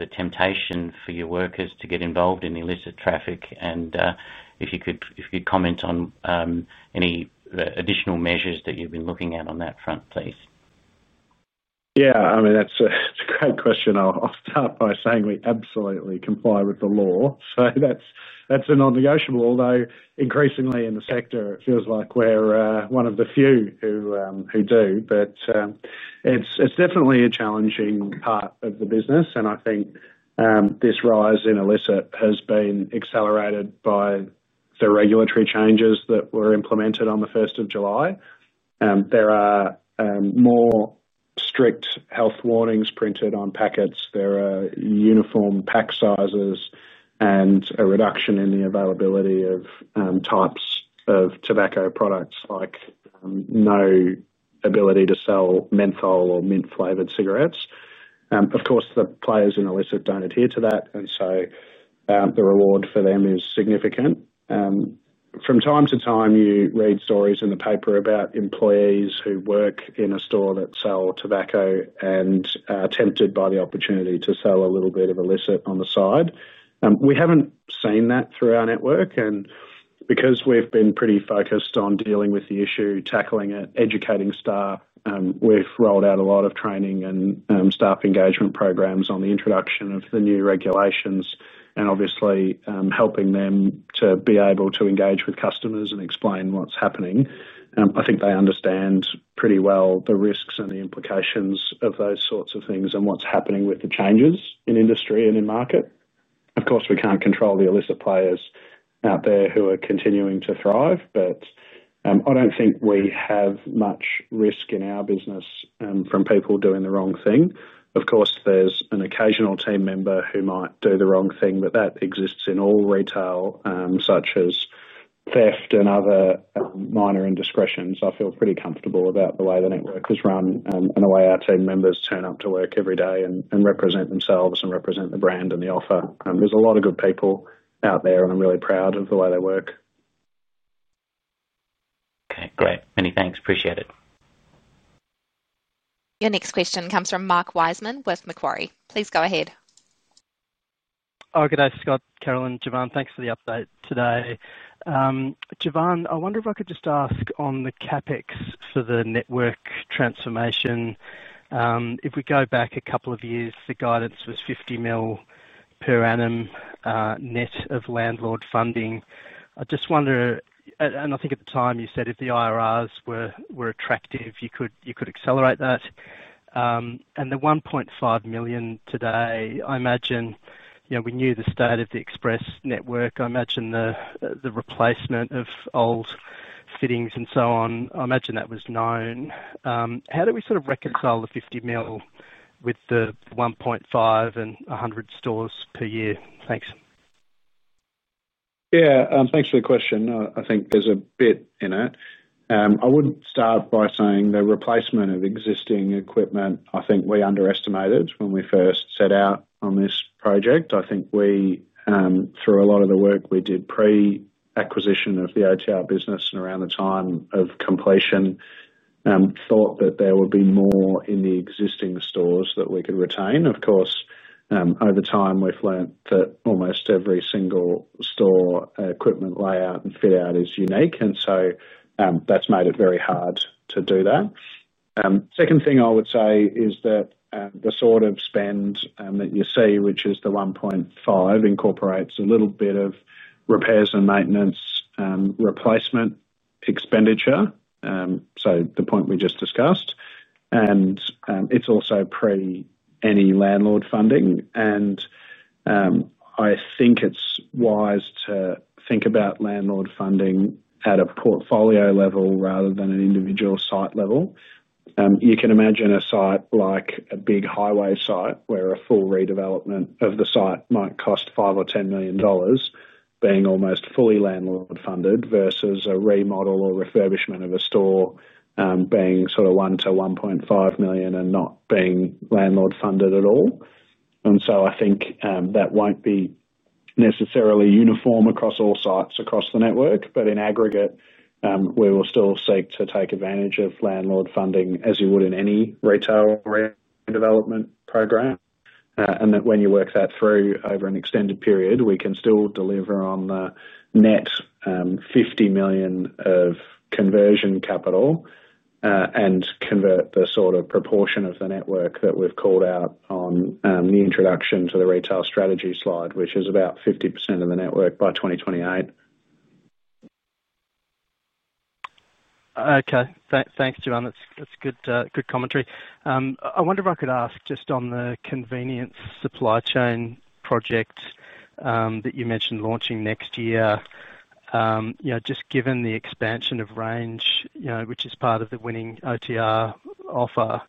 the temptation for your workers to get involved in illicit traffic. If you could comment on any additional measures that you've been looking at on that front, please. Yeah, I mean, that's a great question. I'll start by saying we absolutely comply with the law. That's a non-negotiable. Although increasingly in the sector it feels like we're one of the few who do. It's definitely a challenging part of the business. I think this rise in illicit has been accelerated by the regulatory changes that were implemented on the 1st of July. There are more strict health warnings printed on packets, there are uniform pack sizes, and a reduction in the availability of types of tobacco products, like no ability to sell menthol or mint flavored cigarettes. Of course, the players in illicit don't adhere to that, and so the reward for them is significant. From time to time you read stories in the paper about employees who work in a store that sell tobacco and are tempted by the opportunity to sell a little bit of illicit on the side. We haven't seen that through our network because we've been pretty focused on dealing with the issue, tackling it, and educating staff. We've rolled out a lot of training and staff engagement programs on the introduction of the new regulations and obviously helping them to be able to engage with customers and explain what's happening. I think they understand pretty well the risks and the implications of those sorts of things and what's happening with the changes in industry and in market. Of course, we can't control the illicit players out there who are continuing to thrive, but I don't think we have much risk in our business from people doing the wrong thing. Of course, there's an occasional team member who might do the wrong thing, but that exists in all retail, such as theft and other minor indiscretions. I feel pretty comfortable about the way the network is run and the way our team members turn up to work every day and represent themselves and represent the brand and the offer. There's a lot of good people out there and I'm really proud of the way they work. Okay, great. Many thanks, appreciate it. Your next question comes from Mark Wiseman with Macquarie. Please go ahead. Oh, good day, Scott, Carolyn, Jevan. Thanks for the update today. Jevan, I wonder if I could just on the CapEx for the network transformation. If we go back a couple of years, the guidance was 50 million per annum net of landlord funding. I just wonder, and I think at the time you said if the IRRs were attractive you could accelerate that. The 1.5 million today, I imagine, you know, we knew the state of the Express network. I imagine the replacement of old fittings and so on, I imagine that was known. How do we sort of reconcile this. 50 million with the 1.5 million and 100 stores per year? Thanks. Yeah, thanks for the question. I think there's a bit in that. I wouldn't start by saying the replacement of existing equipment. I think we underestimated when we first set out on this project. I think through a lot of the work we did pre-acquisition of the OTR business and around the time of completion, thought that there would be more in the existing stores that we could retain. Of course, over time we've learnt that almost every single store equipment layout and fit out is unique, and that's made it very hard to do that. The second thing I would say is that the sort of spend that you see, which is the 1.5 million, incorporates a little bit of repairs and maintenance replacement expenditure. The point we just discussed, and it's also pre any landlord funding, and I think it's wise to think about landlord funding at a portfolio level rather than an individual site level. You can imagine a site like a big highway site where a full redevelopment of the site might cost 5 million or 10 million dollars, being almost fully landlord funded versus a remodel or refurbishment of a store being 1 million-1.5 million and not being landlord funded at all. I think that won't be necessarily uniform across all sites across the network. In aggregate, we will still seek to take advantage of landlord funding as you would in any retail development program. When you work that through over an extended period, we can still deliver on the net 50 million of conversion capital and convert the sort of proportion of the network that we've called out on the introduction to the retail strategy slide, which is about 50% of the network by 2028. Okay, thanks Jevan. That's good commentary. I wonder if I could ask just on the convenience supply chain project that you mentioned launching next year, just given the expansion of range, which is part of the winning OTR offer,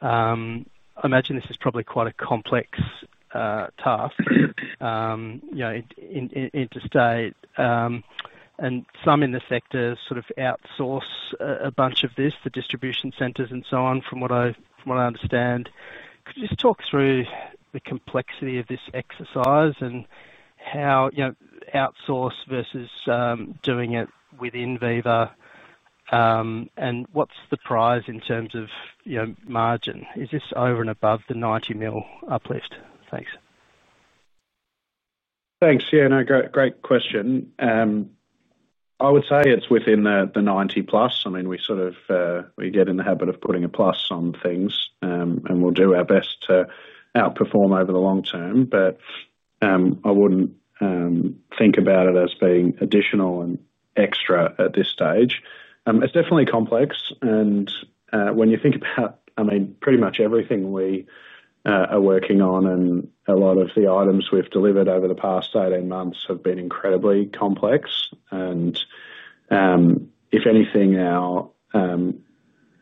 I imagine this is probably quite a complex task. Interstate and some in the sector sort of outsource a bunch of this, the distribution centers and so on, from what I understand. Could you just talk through the complexity of this exercise and how outsource versus doing it within Viva and what's the prize in terms of margin? Is this over and above the 90 million uplift? Thanks. Thanks. Yeah, no, great question. I would say it's within the 90+. I mean, we sort of get in the habit of putting a plus on things and we'll do our best to outperform over the long term, but I wouldn't think about it as being additional and extra at this stage. It's definitely complex. When you think about, I mean, pretty much everything we are working on and a lot of the items we've delivered over the past 18 months have been incredibly complex. If anything,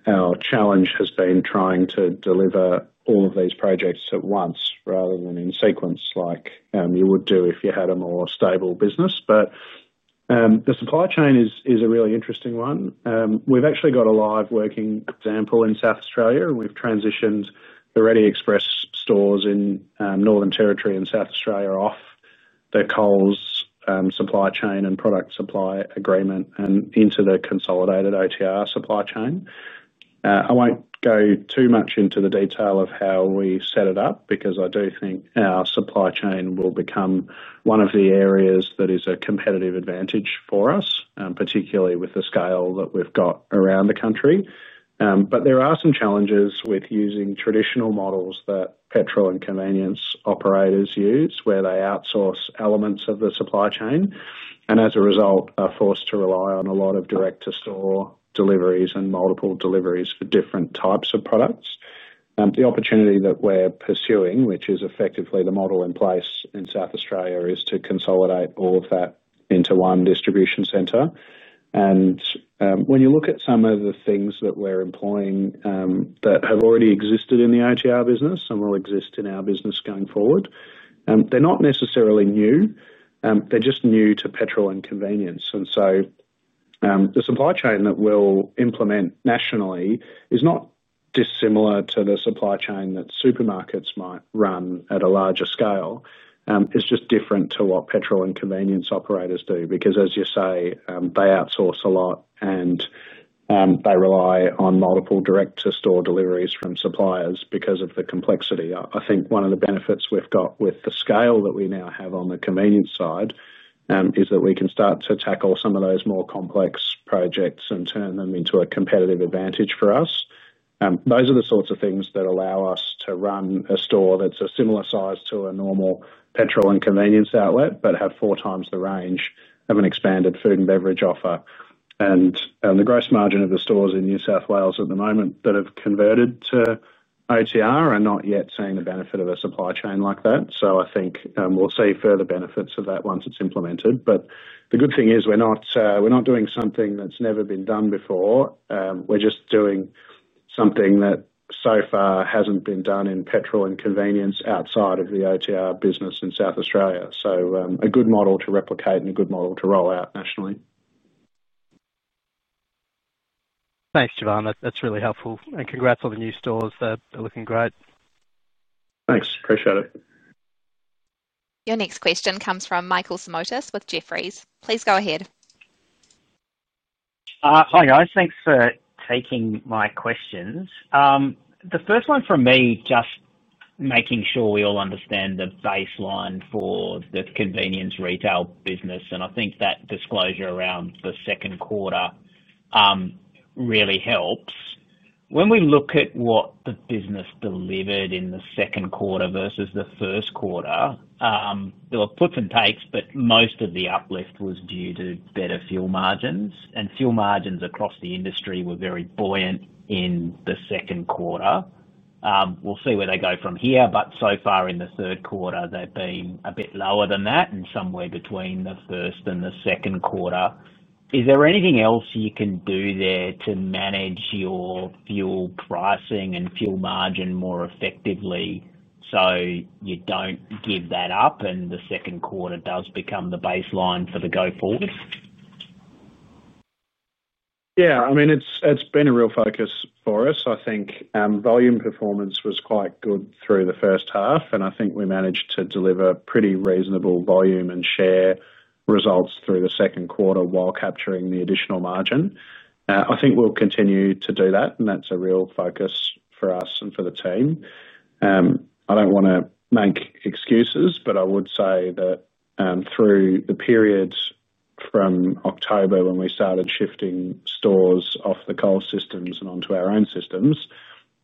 our challenge has been trying to deliver all of these projects at once rather than in sequence, like you would do if you had a more stable business. The supply chain is a really interesting one. We've actually got a live, working example in South Australia. We've transitioned the Reddy Express stores in Northern Territory and South Australia off the Coles supply chain and product supply agreement and into the consolidated OTR supply chain. I won't go too much into the detail of how we set it up because I do think our supply chain will become one of the areas that is a competitive advantage for us, particularly with the scale that we've got around the country. There are some challenges with using traditional models that petrol and convenience operators use, where they outsource elements of the supply chain and as a result are forced to rely on a lot of direct-to-store deliveries and multiple deliveries for different types of products. The opportunity that we're pursuing, which is effectively the model in place in South Australia, is to consolidate all of that into one distribution center. When you look at some of the things that we're employing that have already existed in the OTR business and will exist in our business going forward, they're not necessarily new, they're just new to petrol and convenience. The supply chain that we'll implement nationally is not dissimilar to the supply chain that supermarkets might run at a larger scale. It's just different to what petrol and convenience operators do because, as you say, they outsource a lot and they rely on multiple direct to store deliveries from suppliers. Because of the complexity, I think one of the benefits we've got with the scale that we now have on the convenience side is that we can start to tackle some of those more complex projects and turn them into a competitive advantage for us. Those are the sorts of things that allow us to run a store that's a similar size to a normal petrol and convenience outlet, but have 4x the range and have an expanded food and beverage offer. The gross margin of the stores in New South Wales at the moment that have converted to OTR are not yet seeing the benefit of a supply chain like that. I think we'll see further benefits of that once it's implemented. The good thing is we're not doing something that's never been done before. We're just doing something that so far hasn't been done in petrol and convenience outside of the OTR business in South Australia. It's a good model to replicate and a good model to roll out nationally. Thanks, Jevan. That's really helpful. Congrats on the new stores. They're looking great. Thanks. Appreciate it. Your next question comes from Michael Simotas with Jefferies. Please go ahead. Hi, guys. Thanks for taking my questions. The first one from me, just making sure we all understand the baseline for the convenience retail business. I think that disclosure around the second quarter really helps. When we look at what the business delivered in the second quarter versus the first quarter, there were puts and takes, but most of the uplift was due to better fuel margins. Fuel margins across the industry were very buoyant in the second quarter. We'll see where they go from here. So far in the third quarter, they've been a bit lower than that and somewhere between the first and the second quarter. Is there anything else you can do there to manage your fuel pricing and fuel margin more effectively so you don't give that up? The second quarter does become the baseline for the go forwards. Yeah, I mean, it's been a real focus for us. I think volume performance was quite good through the first half, and I think we managed to deliver pretty reasonable volume and share results through the second quarter while capturing the additional margin. I think we'll continue to do that, and that's a real focus for us and for the team. I don't want to make excuses, but I would say that through the period from October when we started shifting stores off the Coles systems and onto our own systems,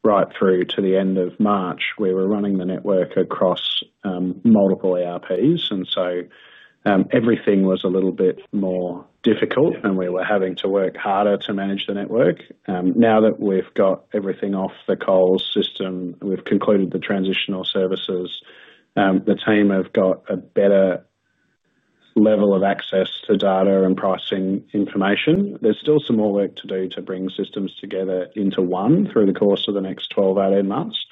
right through to the end of March, we were running the network across multiple ERPs. Everything was a little bit more difficult, and we were having to work harder to manage the network. Now that we've got everything off the Coles system, we've concluded the transitional services, the team have got a better level of access to data and pricing information. There's still some more work to do to bring systems together into one through the course of the next 12-18 months,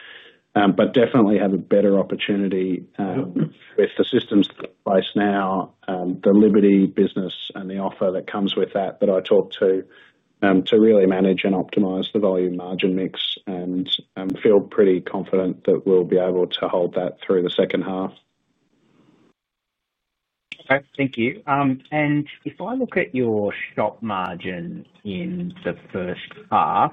but definitely have a better opportunity. With the systems in place now, the Liberty business and the offer that comes with that that I talked to, to really manage and optimize the volume margin mix, and feel pretty confident that we'll be able to hold that through the second half. Thank you. If I look at your stock margin in the first half,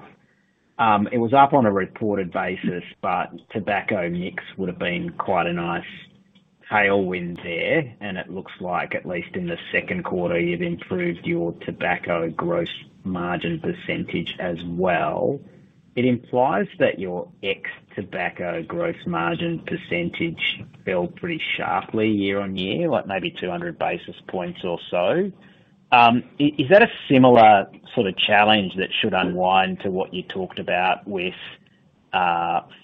it was up on a reported basis, but tobacco mix would have been quite a nice tailwind there. It looks like at least in the second quarter you've improved your tobacco gross profit margin percentage as well. It implies that your ex tobacco gross margin percentage fell pretty sharply year-on-year, like maybe 200 basis points or so. Is that a similar sort of challenge that should unwind to what you talked about with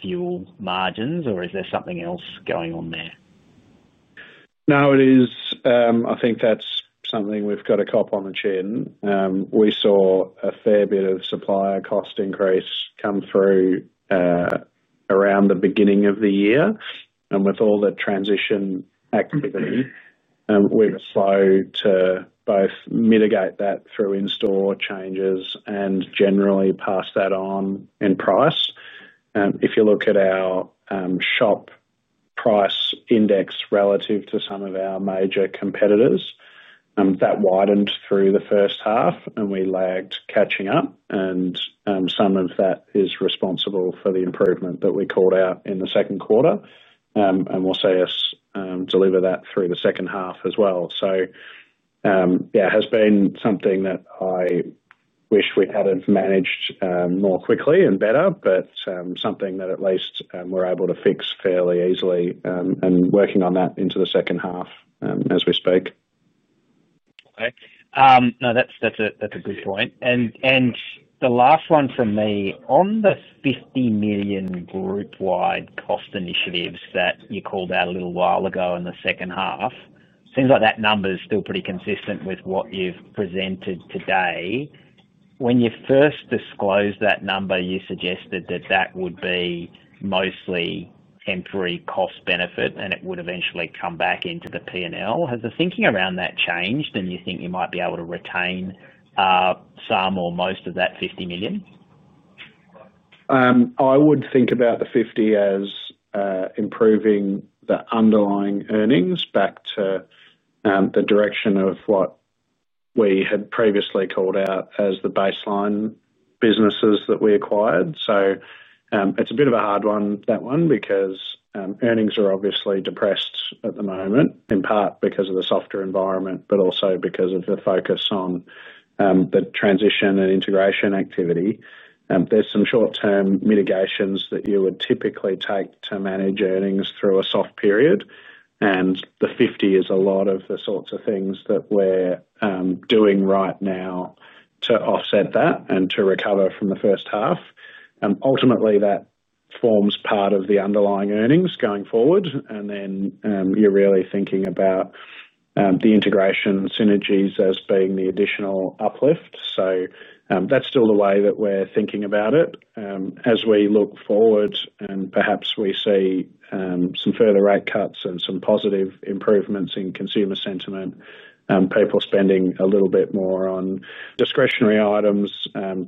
fuel margins, or is there something else going on there? No, it is. I think that's something we've got to cop on the chin. We saw a fair bit of supplier cost increase come through around the beginning of the year, and with all the transition activity, we were slow to both mitigate that through in-store changes and generally pass that on in price. If you look at our shop price index relative to some of our major competitors, that widened through the first half, and we lagged catching up. Some of that is responsible for the improvement that we called out in the second quarter, and we'll see us deliver that through the second half as well. It has been something that I wish we had managed more quickly and better, but something that at least we're able to fix fairly easily and working on that into the second half as we speak. Okay, no, that's a good point. The last one for me on the 50 million group wide cost initiatives that you called out a little while ago in the second half, seems like that number is still pretty consistent with what you've presented today. When you first disclosed that number, you suggested that that would be mostly cost benefit and it would eventually come back into the P&L. Has the thinking around that changed and you think you might be able to retain some or most of that 50 million? I would think about the 50 million as improving the underlying earnings back to the direction of what we had previously called out as the baseline businesses that we acquired. It's a bit of a hard one, because earnings are obviously depressed at the moment, in part because of the softer environment, but also because of the focus on the transition and integration activity. There's some short-term mitigations that you would typically take to manage earnings through a soft period. The 50 million is a lot of the sorts of things that we're doing right now to offset that and to recover from the first half. Ultimately, that forms part of the underlying earnings going forward. You're really thinking about the integration synergies as being the additional uplift. That's still the way that we're thinking about it. As we look forward, perhaps we see some further rate cuts and some positive improvements in consumer sentiment, people spending a little bit more on discretionary items,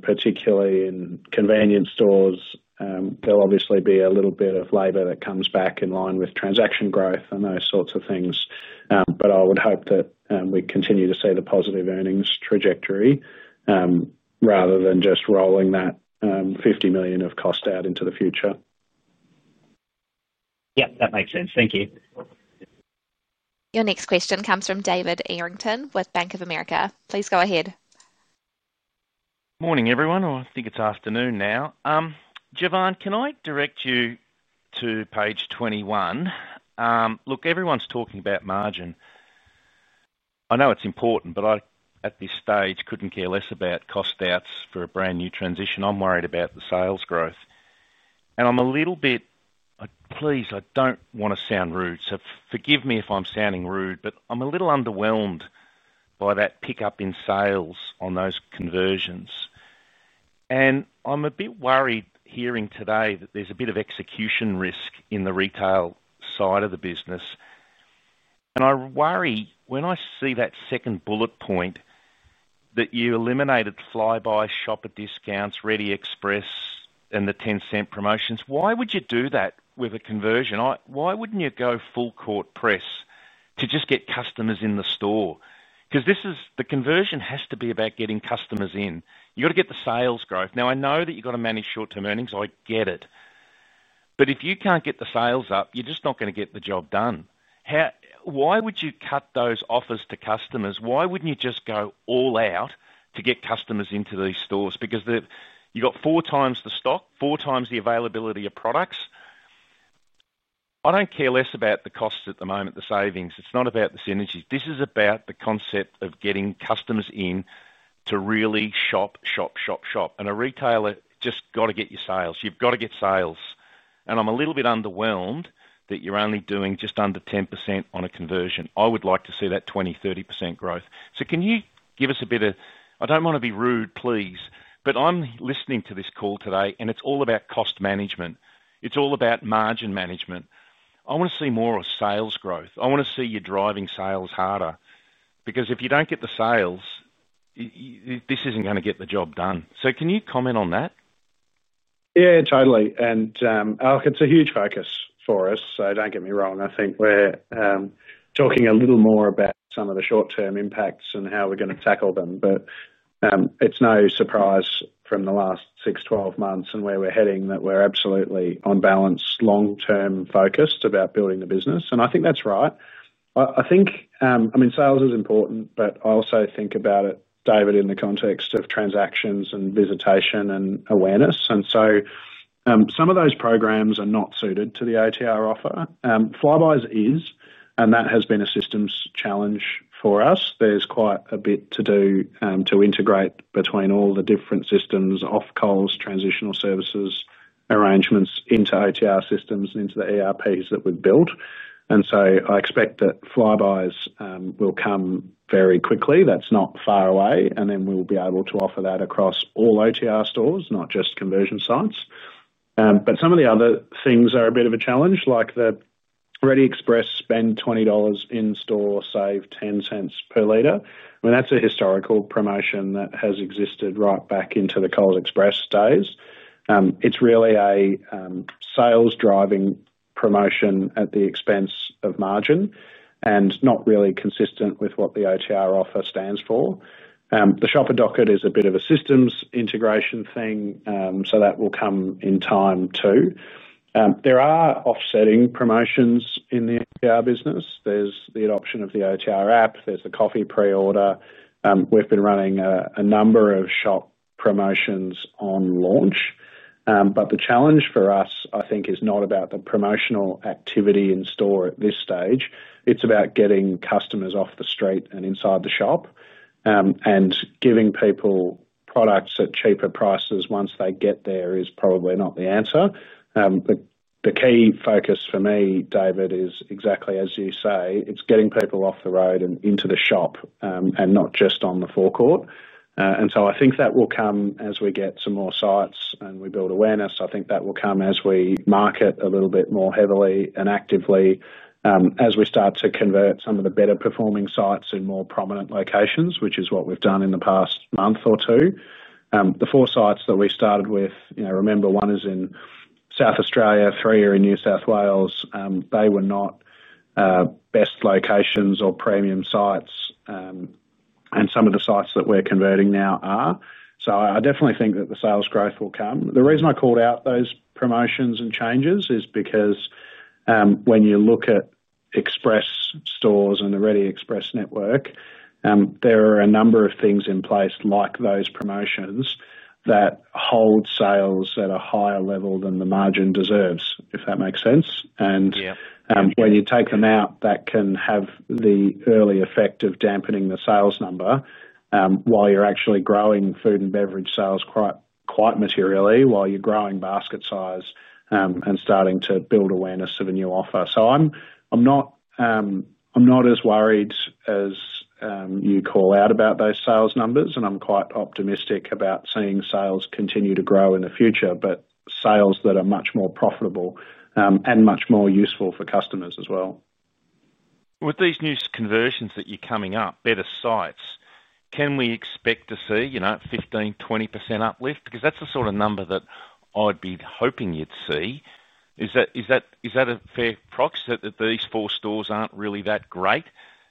particularly in convenience stores. There will obviously be a little bit of labor that comes back in line with transaction growth and those sorts of things. I would hope that we continue to see the positive earnings trajectory rather than just rolling that 50 million of cost out into the future. Yep, that makes sense. Thank you. Your next question comes from David Errington with Bank of America. Please go ahead. Morning everyone. I think it's afternoon now. Jevan, can I direct you to page 21? Look, everyone's talking about margin. I know it's important, but I at this stage couldn't care less about cost doubts for a brand new transition. I'm worried about the sales growth and I'm a little bit. Please. I don't want to sound rude, so forgive me if I'm sounding rude, but I'm a little underwhelmed by that pickup in sales on those conversions. I'm a bit worried hearing today that there's a bit of execution risk in the retail side of the business. I worry, when I see that second bullet point that you eliminated Flybuys shopper discounts, Reddy Express, and the 0.10 promotions. Why would you do that with a conversion? Why wouldn't you go full court press to just get customers in the store? This, the conversion has to be about getting customers in. You gotta get the sales growth. I know that you've gotta manage short term earnings, I get it, but if you can't get the sales up, you're just not gonna get the job done. Why would you cut those offers to customers? Why wouldn't you just go all out to get customers into these stores? You got four times the stock, four times the availability of products. I couldn't care less about the costs at the moment, the savings. It's not about the synergies. This is about the concept of getting customers in to really shop, shop, shop, shop. A retailer just got to get your sales. You've got to get sales and I'm a little bit underwhelmed that you're only doing just under 10% on a conversion. I would like to see that 20%, 30% growth. Can you give us a bit. I don't want to be rude, please, but I'm listening to this call today and it's all about cost management, it's all about margin management. I want to see more sales growth, I want to see you driving sales harder because if you don't get the sales, this isn't going to get the job done. Can you comment on that? Yeah, totally. It's a huge focus for us, so don't get me wrong. I think we're talking a little more about some of the short-term impacts and how we're going to tackle them. It's no surprise from the last six, 12 months and where we're heading that we're absolutely, on balance, long-term focused about building the business. I think that's right. I mean, sales is important, but I also think about it, David, in the context of transactions and visitation and awareness, and so some of those programs are not suited to the OTR offer. Flybuys is, and that has been a systems challenge for us. There's quite a bit to do to integrate between all the different systems off Coles Transitional Services arrangements into OTR systems and into the ERPs that we've built. I expect that Flybuys will come very quickly. That's not far away, and then we will be able to offer that across all OTR stores, not just conversion sites. Some of the other things are a bit of a challenge, like the Reddy Express spend 20 dollars in store, save 0.10 per liter. That's a historical promotion that has existed right back into the Coles Express days. It's really a sales-driving promotion at the expense of margin and not really consistent with what the OTR offer stands for. The shopper docket is a bit of a systems integration thing, so that will come in time too. There are offsetting promotions in the OTR business. There's the adoption of the OTR app, there's the coffee pre-order. We've been running a number of shop promotions on launch. The challenge for us, I think, is not about the promotional activity in store at this stage. It's about getting customers off the street and inside the shop, and giving people products at cheaper prices once they get there is probably not the answer. The key focus for me, David, is exactly as you say. It's getting people off the road and into the shop and not just on the forecourt. I think that will come as we get some more sites and we build awareness. I think that will come as we market a little bit more heavily and actively as we start to convert some of the better performing sites in more prominent locations, which is what we've done in the past month or two. The four sites that we started with, you know, remember, one is in South Australia, three are in New South Wales. They were not best locations or premium sites, and some of the sites that we're converting now are. I definitely think that the sales growth will come. The reason I called out those promotions and changes is because when you look at Express stores and the Reddy Express network, there are a number of things in place, like those promotions that hold sales at a higher level than the margin deserves, if that makes sense. When you take them out, that can have the early effect of dampening the sales number while you're actually growing food and beverage sales quite materially, while you're growing basket size and starting to build awareness of a new offer. I'm not as worried as you call out about those sales numbers and I'm quite optimistic about seeing sales continue to grow in the future. Sales that are much more profitable and much more useful for customers as well. With these new conversions that you're coming up, better sites, can we expect to see, you know, 15%, 20% uplift? Because that's the sort of number that I'd be hoping you'd see. Is that a fair proxy that these four stores aren't really that great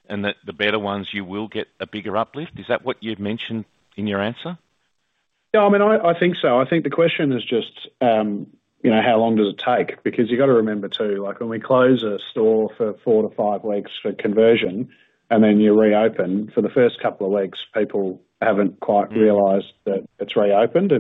and that the better ones you will get a bigger uplift? Is that what you've mentioned in your answer? Yeah, I mean, I think so. I think the question is just, you know, how long does it take? Because you got to remember too, like when we close a store for four to five weeks for conversion and then you reopen for the first couple of weeks, people haven't quite realized that it's reopened.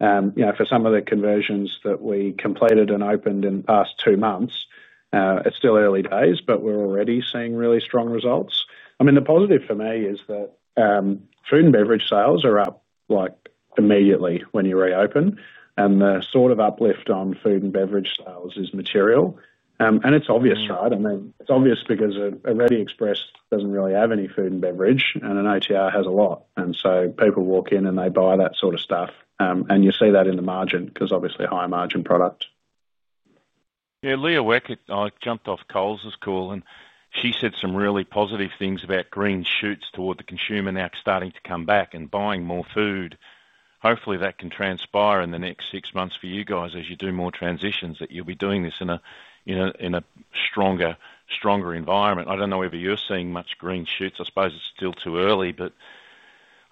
For some of the conversions that we completed and opened in the past two months, it's still early days, but we're already seeing really strong results. The positive for me is that food and beverage sales are up, like immediately when you reopen. The sort of uplift on food and beverage sales is material. It's obvious, right? It's obvious because a Reddy Express doesn't really have any food and beverage and an OTR has a lot. People walk in and they buy that sort of stuff. You see that in the margin because obviously high margin product. Yeah. Leah Weckert jumped off Coles' call and she said some really positive things about green shoots toward the consumer now starting to come back and buying more food. Hopefully that can transpire in the next six months for you guys as you do more transitions, that you'll be doing this in a stronger environment. I don't know whether you're seeing much green shoots. I suppose it's still too early.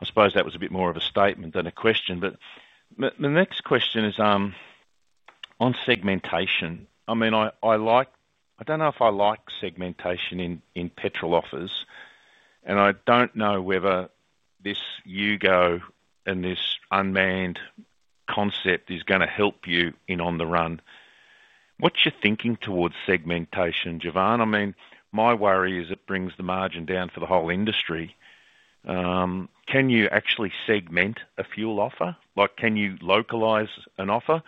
I suppose that was a bit more. Of a statement than a question. The next question is on segmentation. I mean, I don't know if I like segmentation in petrol offers. I don't know whether this [Yugo] and this unmanned concept is going to help you in on the run. What's your thinking towards segmentation, Jevan?I mean, my worry is it brings. The margin down for the whole industry. Can you actually segment a fuel offer? Can you localize an offer?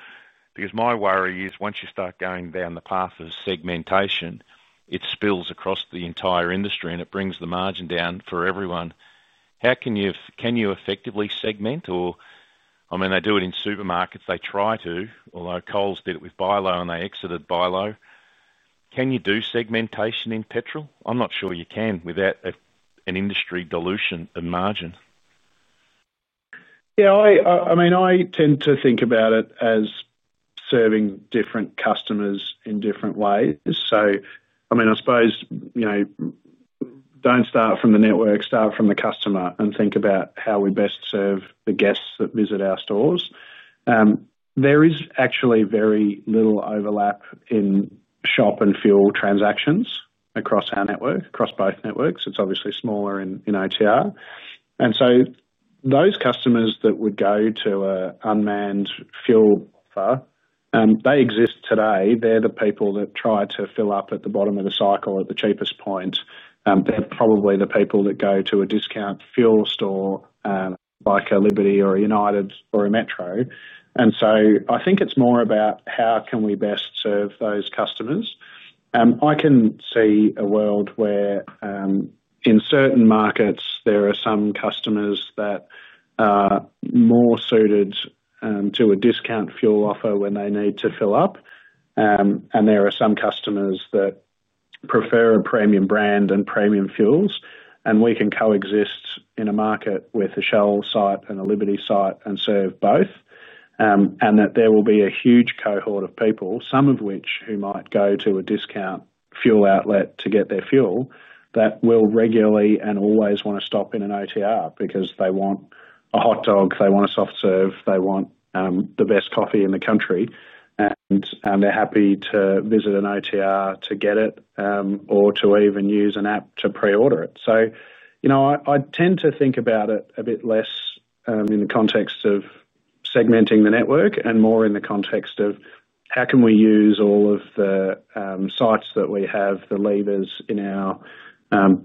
Because my worry is once you start going down the path of segmentation, it spills across the entire industry and it brings the margin down for everyone. How can you effectively segment? I mean, they do it in supermarkets. They try to, although Coles did it with Bi-Lo and they exited Bi-Lo. Can you do segmentation in petrol? I'm not sure you can without an industry dilution of margin. Yeah, I mean, I tend to think about it as serving different customers in different ways. I suppose, you know, don't start from the network, start from the customer, and think about how we best serve the guests that visit our stores. There is actually very little overlap in shop and fuel transactions across our network, across both networks. It's obviously smaller in OTR. Those customers that would go to an unmanned fuel [board], they exist today. They're the people that try to fill up at the bottom of the cycle at the cheapest point. They're probably the people that go to a discount fuel store like a Liberty or a United or a Metro. I think it's more about how can we best serve those customers. I can see a world where in certain markets there are some customers that are more suited to a discount fuel offer when they need to fill up, and there are some customers that prefer a premium brand and premium fuels, and we can coexist in a market with a Shell site and a Liberty site and serve both. There will be a huge cohort of people, some of which who might go to a discount fuel outlet to get their fuel, that will regularly and always want to stop in an OTR because they want a hot dog, they want a soft serve, they want the best coffee in the country, and they're happy to visit an OTR to get it or to even use an app to pre-order it. I tend to think about it a bit less in the context of segmenting the network and more in the context of how can we use all of the sites that we have, the levers in our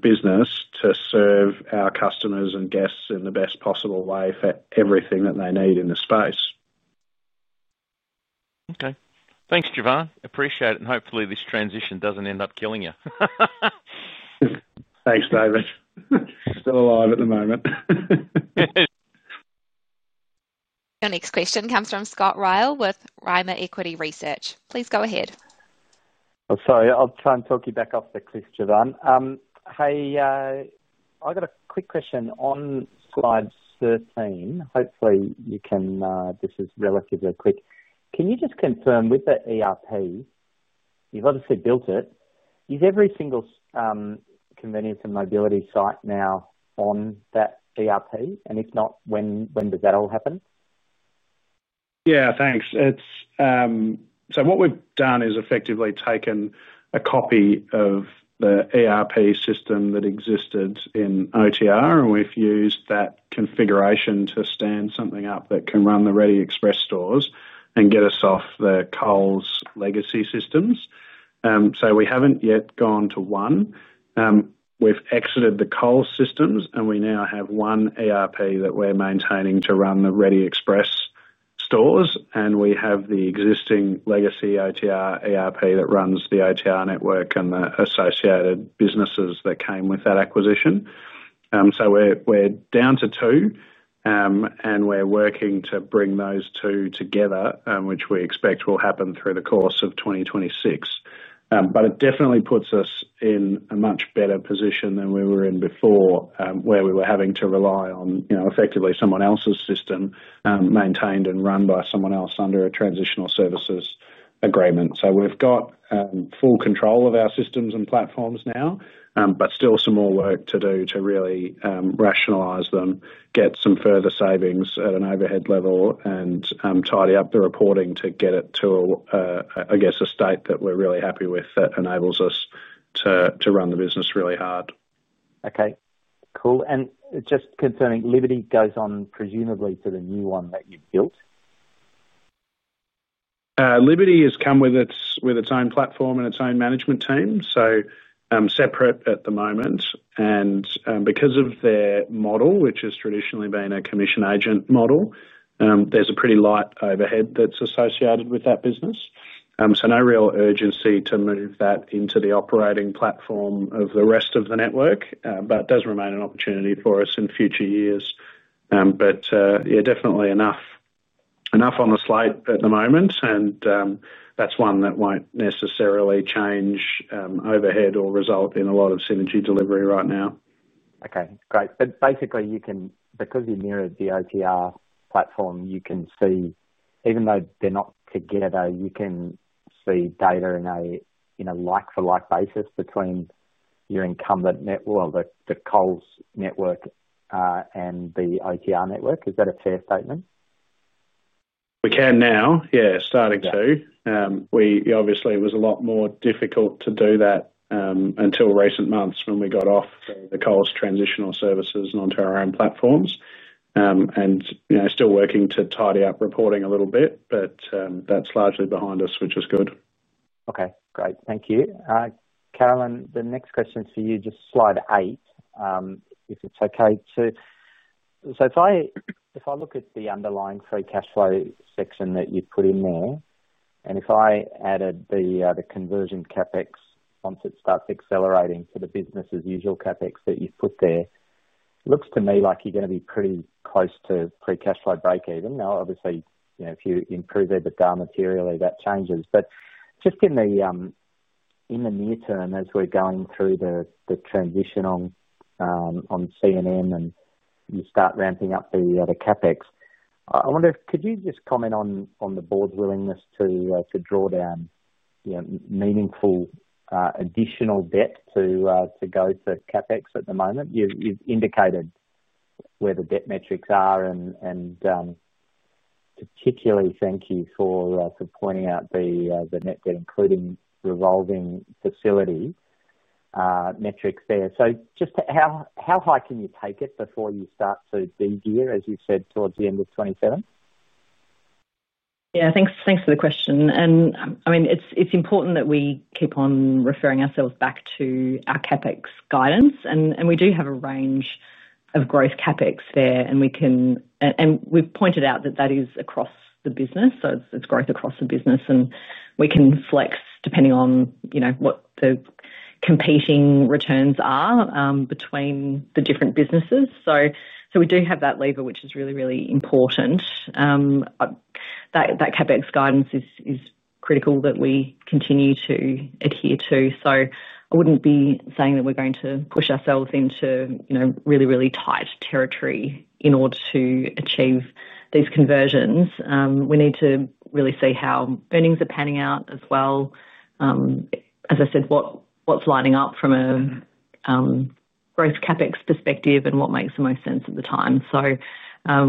business to serve our customers and guests in the best possible way for everything that they need in the space. Okay, thanks Jevan. Appreciate it. Hopefully this transition doesn't end up killing you. Thanks, David. Still alive at the moment. Our next question comes from Scott Ryall with Rimor Equity Research. Please go ahead. I'm sorry, I'll try and talk you back up the cliff, Jevan. Hey, I got a quick question on slide 13. Hopefully you can, this is relatively quick. Can you just confirm with the ERP you've obviously built it. Is every single convenience and mobility site now on that ERP, and if not, when does that all happen? Yeah, thanks. What we've done is effectively taken a copy of the ERP system that existed in OTR and we've used that configuration to stand something up that can run the Reddy Express stores and get us off the Coles legacy systems. We haven't yet gone to one. We've exited the Coles systems and we now have one ERP that we're maintaining to run the Reddy Express stores. We have the existing legacy OTR ERP that runs the OTR network and the associated businesses that came with that acquisition. We're down to two and we're working to bring those two together, which we expect will happen through the course of 2026. It definitely puts us in a much better position than we were in before, where we were having to rely on effectively someone else's system maintained and run by someone else under a transitional services agreement. We've got full control of our systems and platforms now, but still some more work to do to really rationalize them, get some further savings at an overhead level, and tidy up the reporting to get it to, I guess, a state that we're really happy with that enables us to run the business really hard. Okay, cool. Just concerning Liberty, it goes on presumably to the new one that you've built. Liberty has come with its own platform and its own management team, so separate at the moment. Because of their model, which has traditionally been a commission agent model, there's a pretty light overhead that's associated with that business. There is no real urgency to move that into the operating platform of the rest of the network. It does remain an opportunity for us in future years. Yeah, definitely enough on the slate at the moment, and that's one that won't necessarily change overhead or result in a lot of synergy delivery right now. Okay, great. Basically, because you mirrored the OTR platform, you can see even though they're not together, you can see data in a like-for-like basis between your incumbent network, the Coles network, and the OTR network. Is that a fair statement? We can now, yeah, starting to. Obviously, it was a lot more difficult to do that until recent months when we got off the Coles Transitional Services and onto our own platforms, and you know, still working to tidy up reporting a little bit, but that's largely behind us, which is good. Okay, great. Thank you, Carolyn. The next question's for you. Just slide 8 if it's okay too, so if I look at the underlying free cash flow section that you put in there and if I added the conversion CapEx once it starts accelerating for the business as usual CapEx that you put there, looks to me like you're going to be pretty close to pre cash flow break even. Now obviously if you improve EBITDA materially that changes. Just in the near term as we're going through the transition on C&M and you start ramping up the CapEx, I wonder if you could just comment on the board's willingness to draw down meaningful additional debt to go to CapEx at the moment you've indicated where the debt metrics are and particularly thank you for pointing out the net debt including revolving facility metrics there. Just how high can you take it before you start to degear as you said towards the end of 2027? Yeah, thanks for the question. I mean it's important that we keep on referring ourselves back to our CapEx guidance, and we do have a range of growth CapEx there. We've pointed out that that is across the business, so it's growth across the business, and we can flex depending on what the competing returns are between the different businesses. We do have that lever, which is really, really important. That CapEx guidance is critical that we continue to adhere to. I wouldn't be saying that we're going to push ourselves into really, really tight territory in order to achieve these conversions. We need to really see how earnings are panning out as well. As I said, what's lighting up from a growth CapEx perspective and what makes the most sense at the time.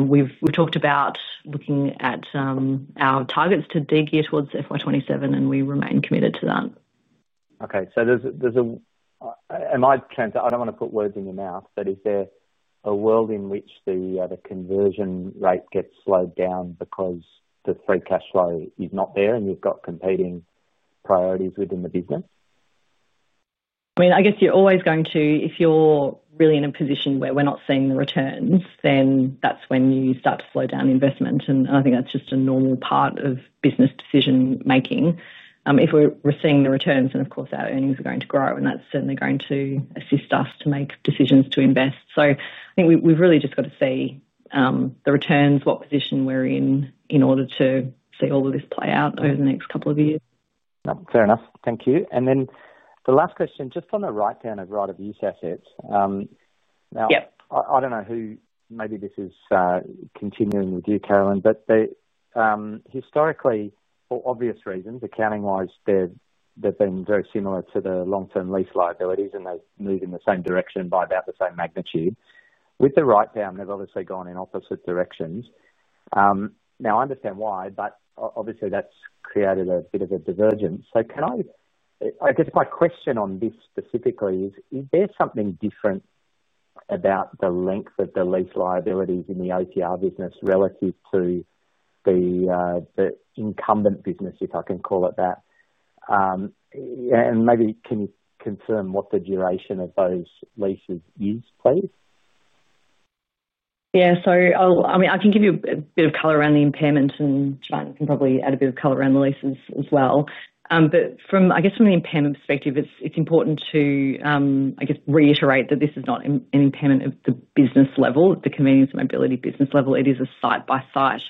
We've talked about looking at our targets to degear towards FY 2027, and we remain committed to that. Okay, so there's, am I trying to, I don't want to put words in your mouth, but is there a world in which the conversion rate gets slowed down because the free cash flow is not there and you've got competing priorities within the business? I mean, I guess you're always going to. If you're really in a position where we're not seeing the returns, then that's when you start to slow down investment. I think that's just a normal part of business decision making. If we're seeing the returns, of course our earnings are going to grow and that's certainly going to assist us to make decisions to invest. I think we've really just got to see the returns, what position we're in in order to see all of this play out over the next couple of years. Fair enough, thank you. The last question just on the write down of right of use assets. Now I don't know who, maybe this is continuing with you Carolyn, but historically for obvious reasons, accounting wise, they've been very similar to the long term lease liabilities and they move in the same direction by about the same magnitude. With the write down they've obviously gone in opposite directions. I understand why, but obviously that's created a bit of a divergence. My question on this specifically is, is there something different about the length of the lease liabilities in the OTR business relative to the incumbent business, if I can call it that? Maybe can you confirm what the duration of those leases is, please? Yeah, I can give you a bit of color around the impairment and Jevan can probably add a bit of color around the leases as well. From the impairment perspective, it's important to reiterate that this is not an impairment at the business level, the convenience, mobility, business level. It is a site-by-site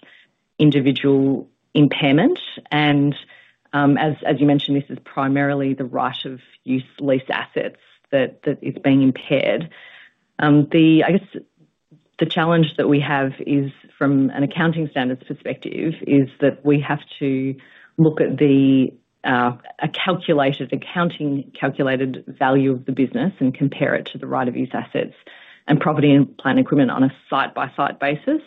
individual impairment. As you mentioned, this is primarily the right of use lease assets that is being impaired. The challenge that we have is from an accounting standards perspective is that we have to look at accounting calculated value of the business and compare it to the right of use assets and property and plant equipment on a site by site basis.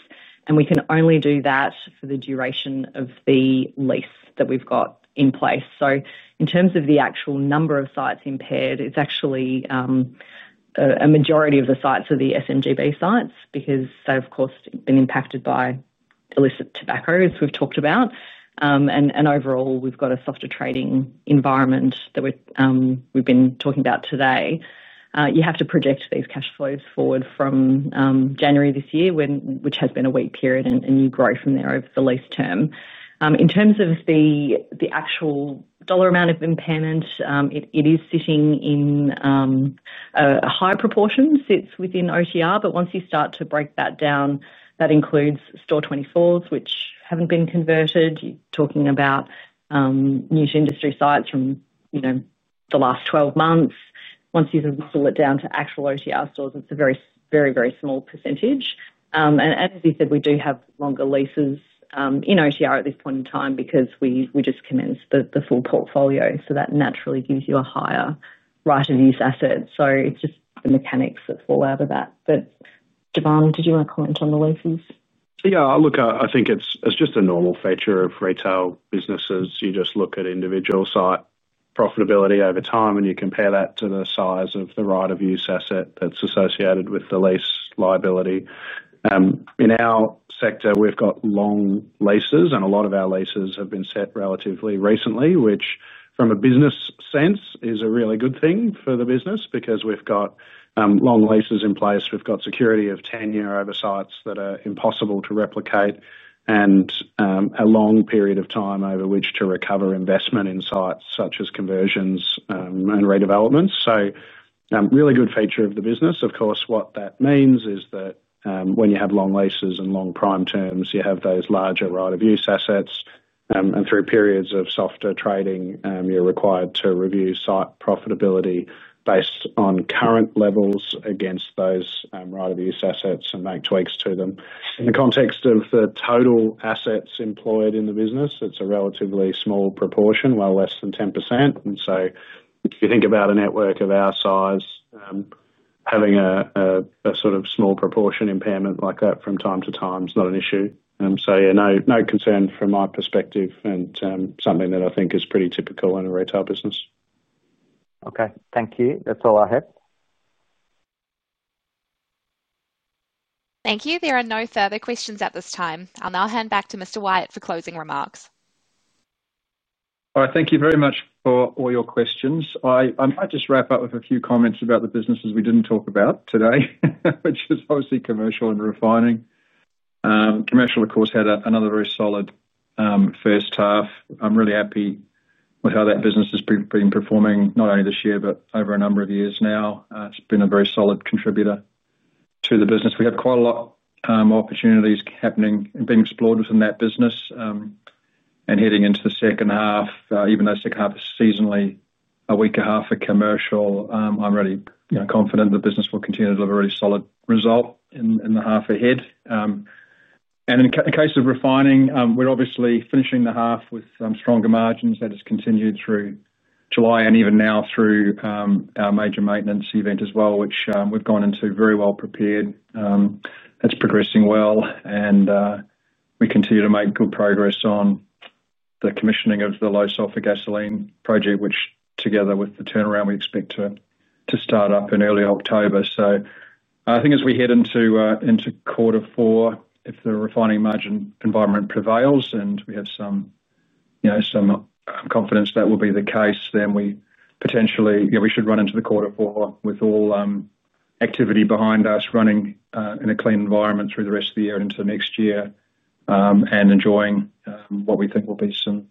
We can only do that for the duration of the lease that we've got in place. In terms of the actual number of sites impaired, a majority of the sites are the SMGB sites because they've of course been impacted by illicit tobacco as we've talked about. Overall we've got a softer trading environment that we've been talking about today. You have to project these cash flows forward from January this year, which has been a weak period, and you grow from there over the lease term. In terms of the actual dollar amount of impairment, a high proportion sits within OTR. Once you start to break that down, that includes store 24s which haven't been converted. You're talking about niche industry sites from the last 12 months. Once you pull it down to actual OTR stores, it's a very, very, very small percentage. As you said, we do have longer leases in OTR at this point in time because we just commenced the full portfolio. That naturally gives you a higher right of use assets. It's just the mechanics that fall out of that. Jevan, did you want to comment on the leases? Yeah, look, I think it's just a normal feature of retail businesses. You just look at individual site profitability over time and you compare that to the size of the right of use asset that's associated with the lease liability. In our sector we've got long leases and a lot of our leases have been set relatively recently, which from a business sense is a really good thing for the business because we've got long leases in place, we've got security of 10 year oversights that are impossible to replicate and a long period of time over which to recover investment in sites such as conversions and redevelopments. It's a really good feature of the business. Of course, what that means is that when you have long leases and long prime terms you have those larger right of use assets. Through periods of softer trading you're required to review site profitability based on current levels against those right of use assets and make tweaks to them in the context of the total assets employed in the business. It's a relatively small proportion, well less than 10%. If you think about a network of our size, having a sort of small proportion impairment like that from time to time is not an issue. No concern from my perspective and something that I think is pretty typical in a retail business. Okay, thank you. That's all I have. Thank you. There are no further questions at this time. I'll now hand back to Mr. Wyatt for closing remarks. All right, thank you very much for all your questions. I might just wrap up with a few comments about the businesses we didn't talk about today, which is obviously commercial and refining. Commercial, of course, had another very solid first half. I'm really happy with how that business has been performing not only this year, but over a number of years now. It's been a very solid contributor to the business. We have quite a lot of opportunities happening, being explored within that business. Heading into the second half, even though second half is seasonally a weak half for commercial, I'm really confident the business will continue to deliver a really solid result in the half ahead. In the case of refining, we're obviously finishing the half with stronger margins. That has continued through July and even now through our major maintenance event as well, which we've gone into very well prepared, that's progressing well. We continue to make good progress on the commissioning of the Low Sulphur gasoline project, which together with the turnaround, we expect to start up in early October. I think as we head into quarter four, if the refining margin environment prevails and we have some confidence that will be the case, then potentially we should run into quarter four with all activity behind us, running in a clean environment through the rest of the year and into next year and enjoying what we think will be some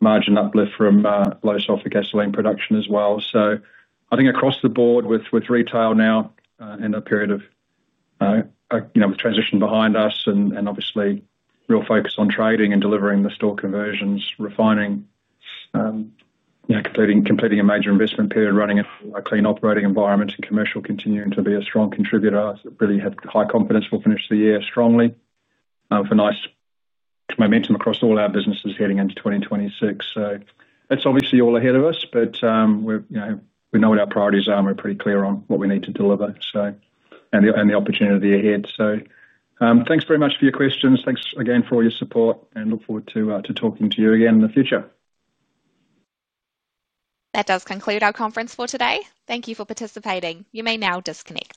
margin uplift from Low Sulphur gasoline production as well. I think across the board, with retail now and a period of transition behind us, and obviously real focus on trading and delivering the store conversions, refining, completing a major investment period, running a clean operating environment, and commercial continuing to be a strong contributor, really have high confidence we'll finish the year strongly for nice momentum across all our businesses heading into 2026. That's obviously all ahead of us, but we know what our priorities are and we're pretty clear on what we need to deliver and the opportunity ahead. Thanks very much for your questions, thanks again for all your support and look forward to talking to you again in the future. That does conclude our conference for today. Thank you for participating. You may now disconnect.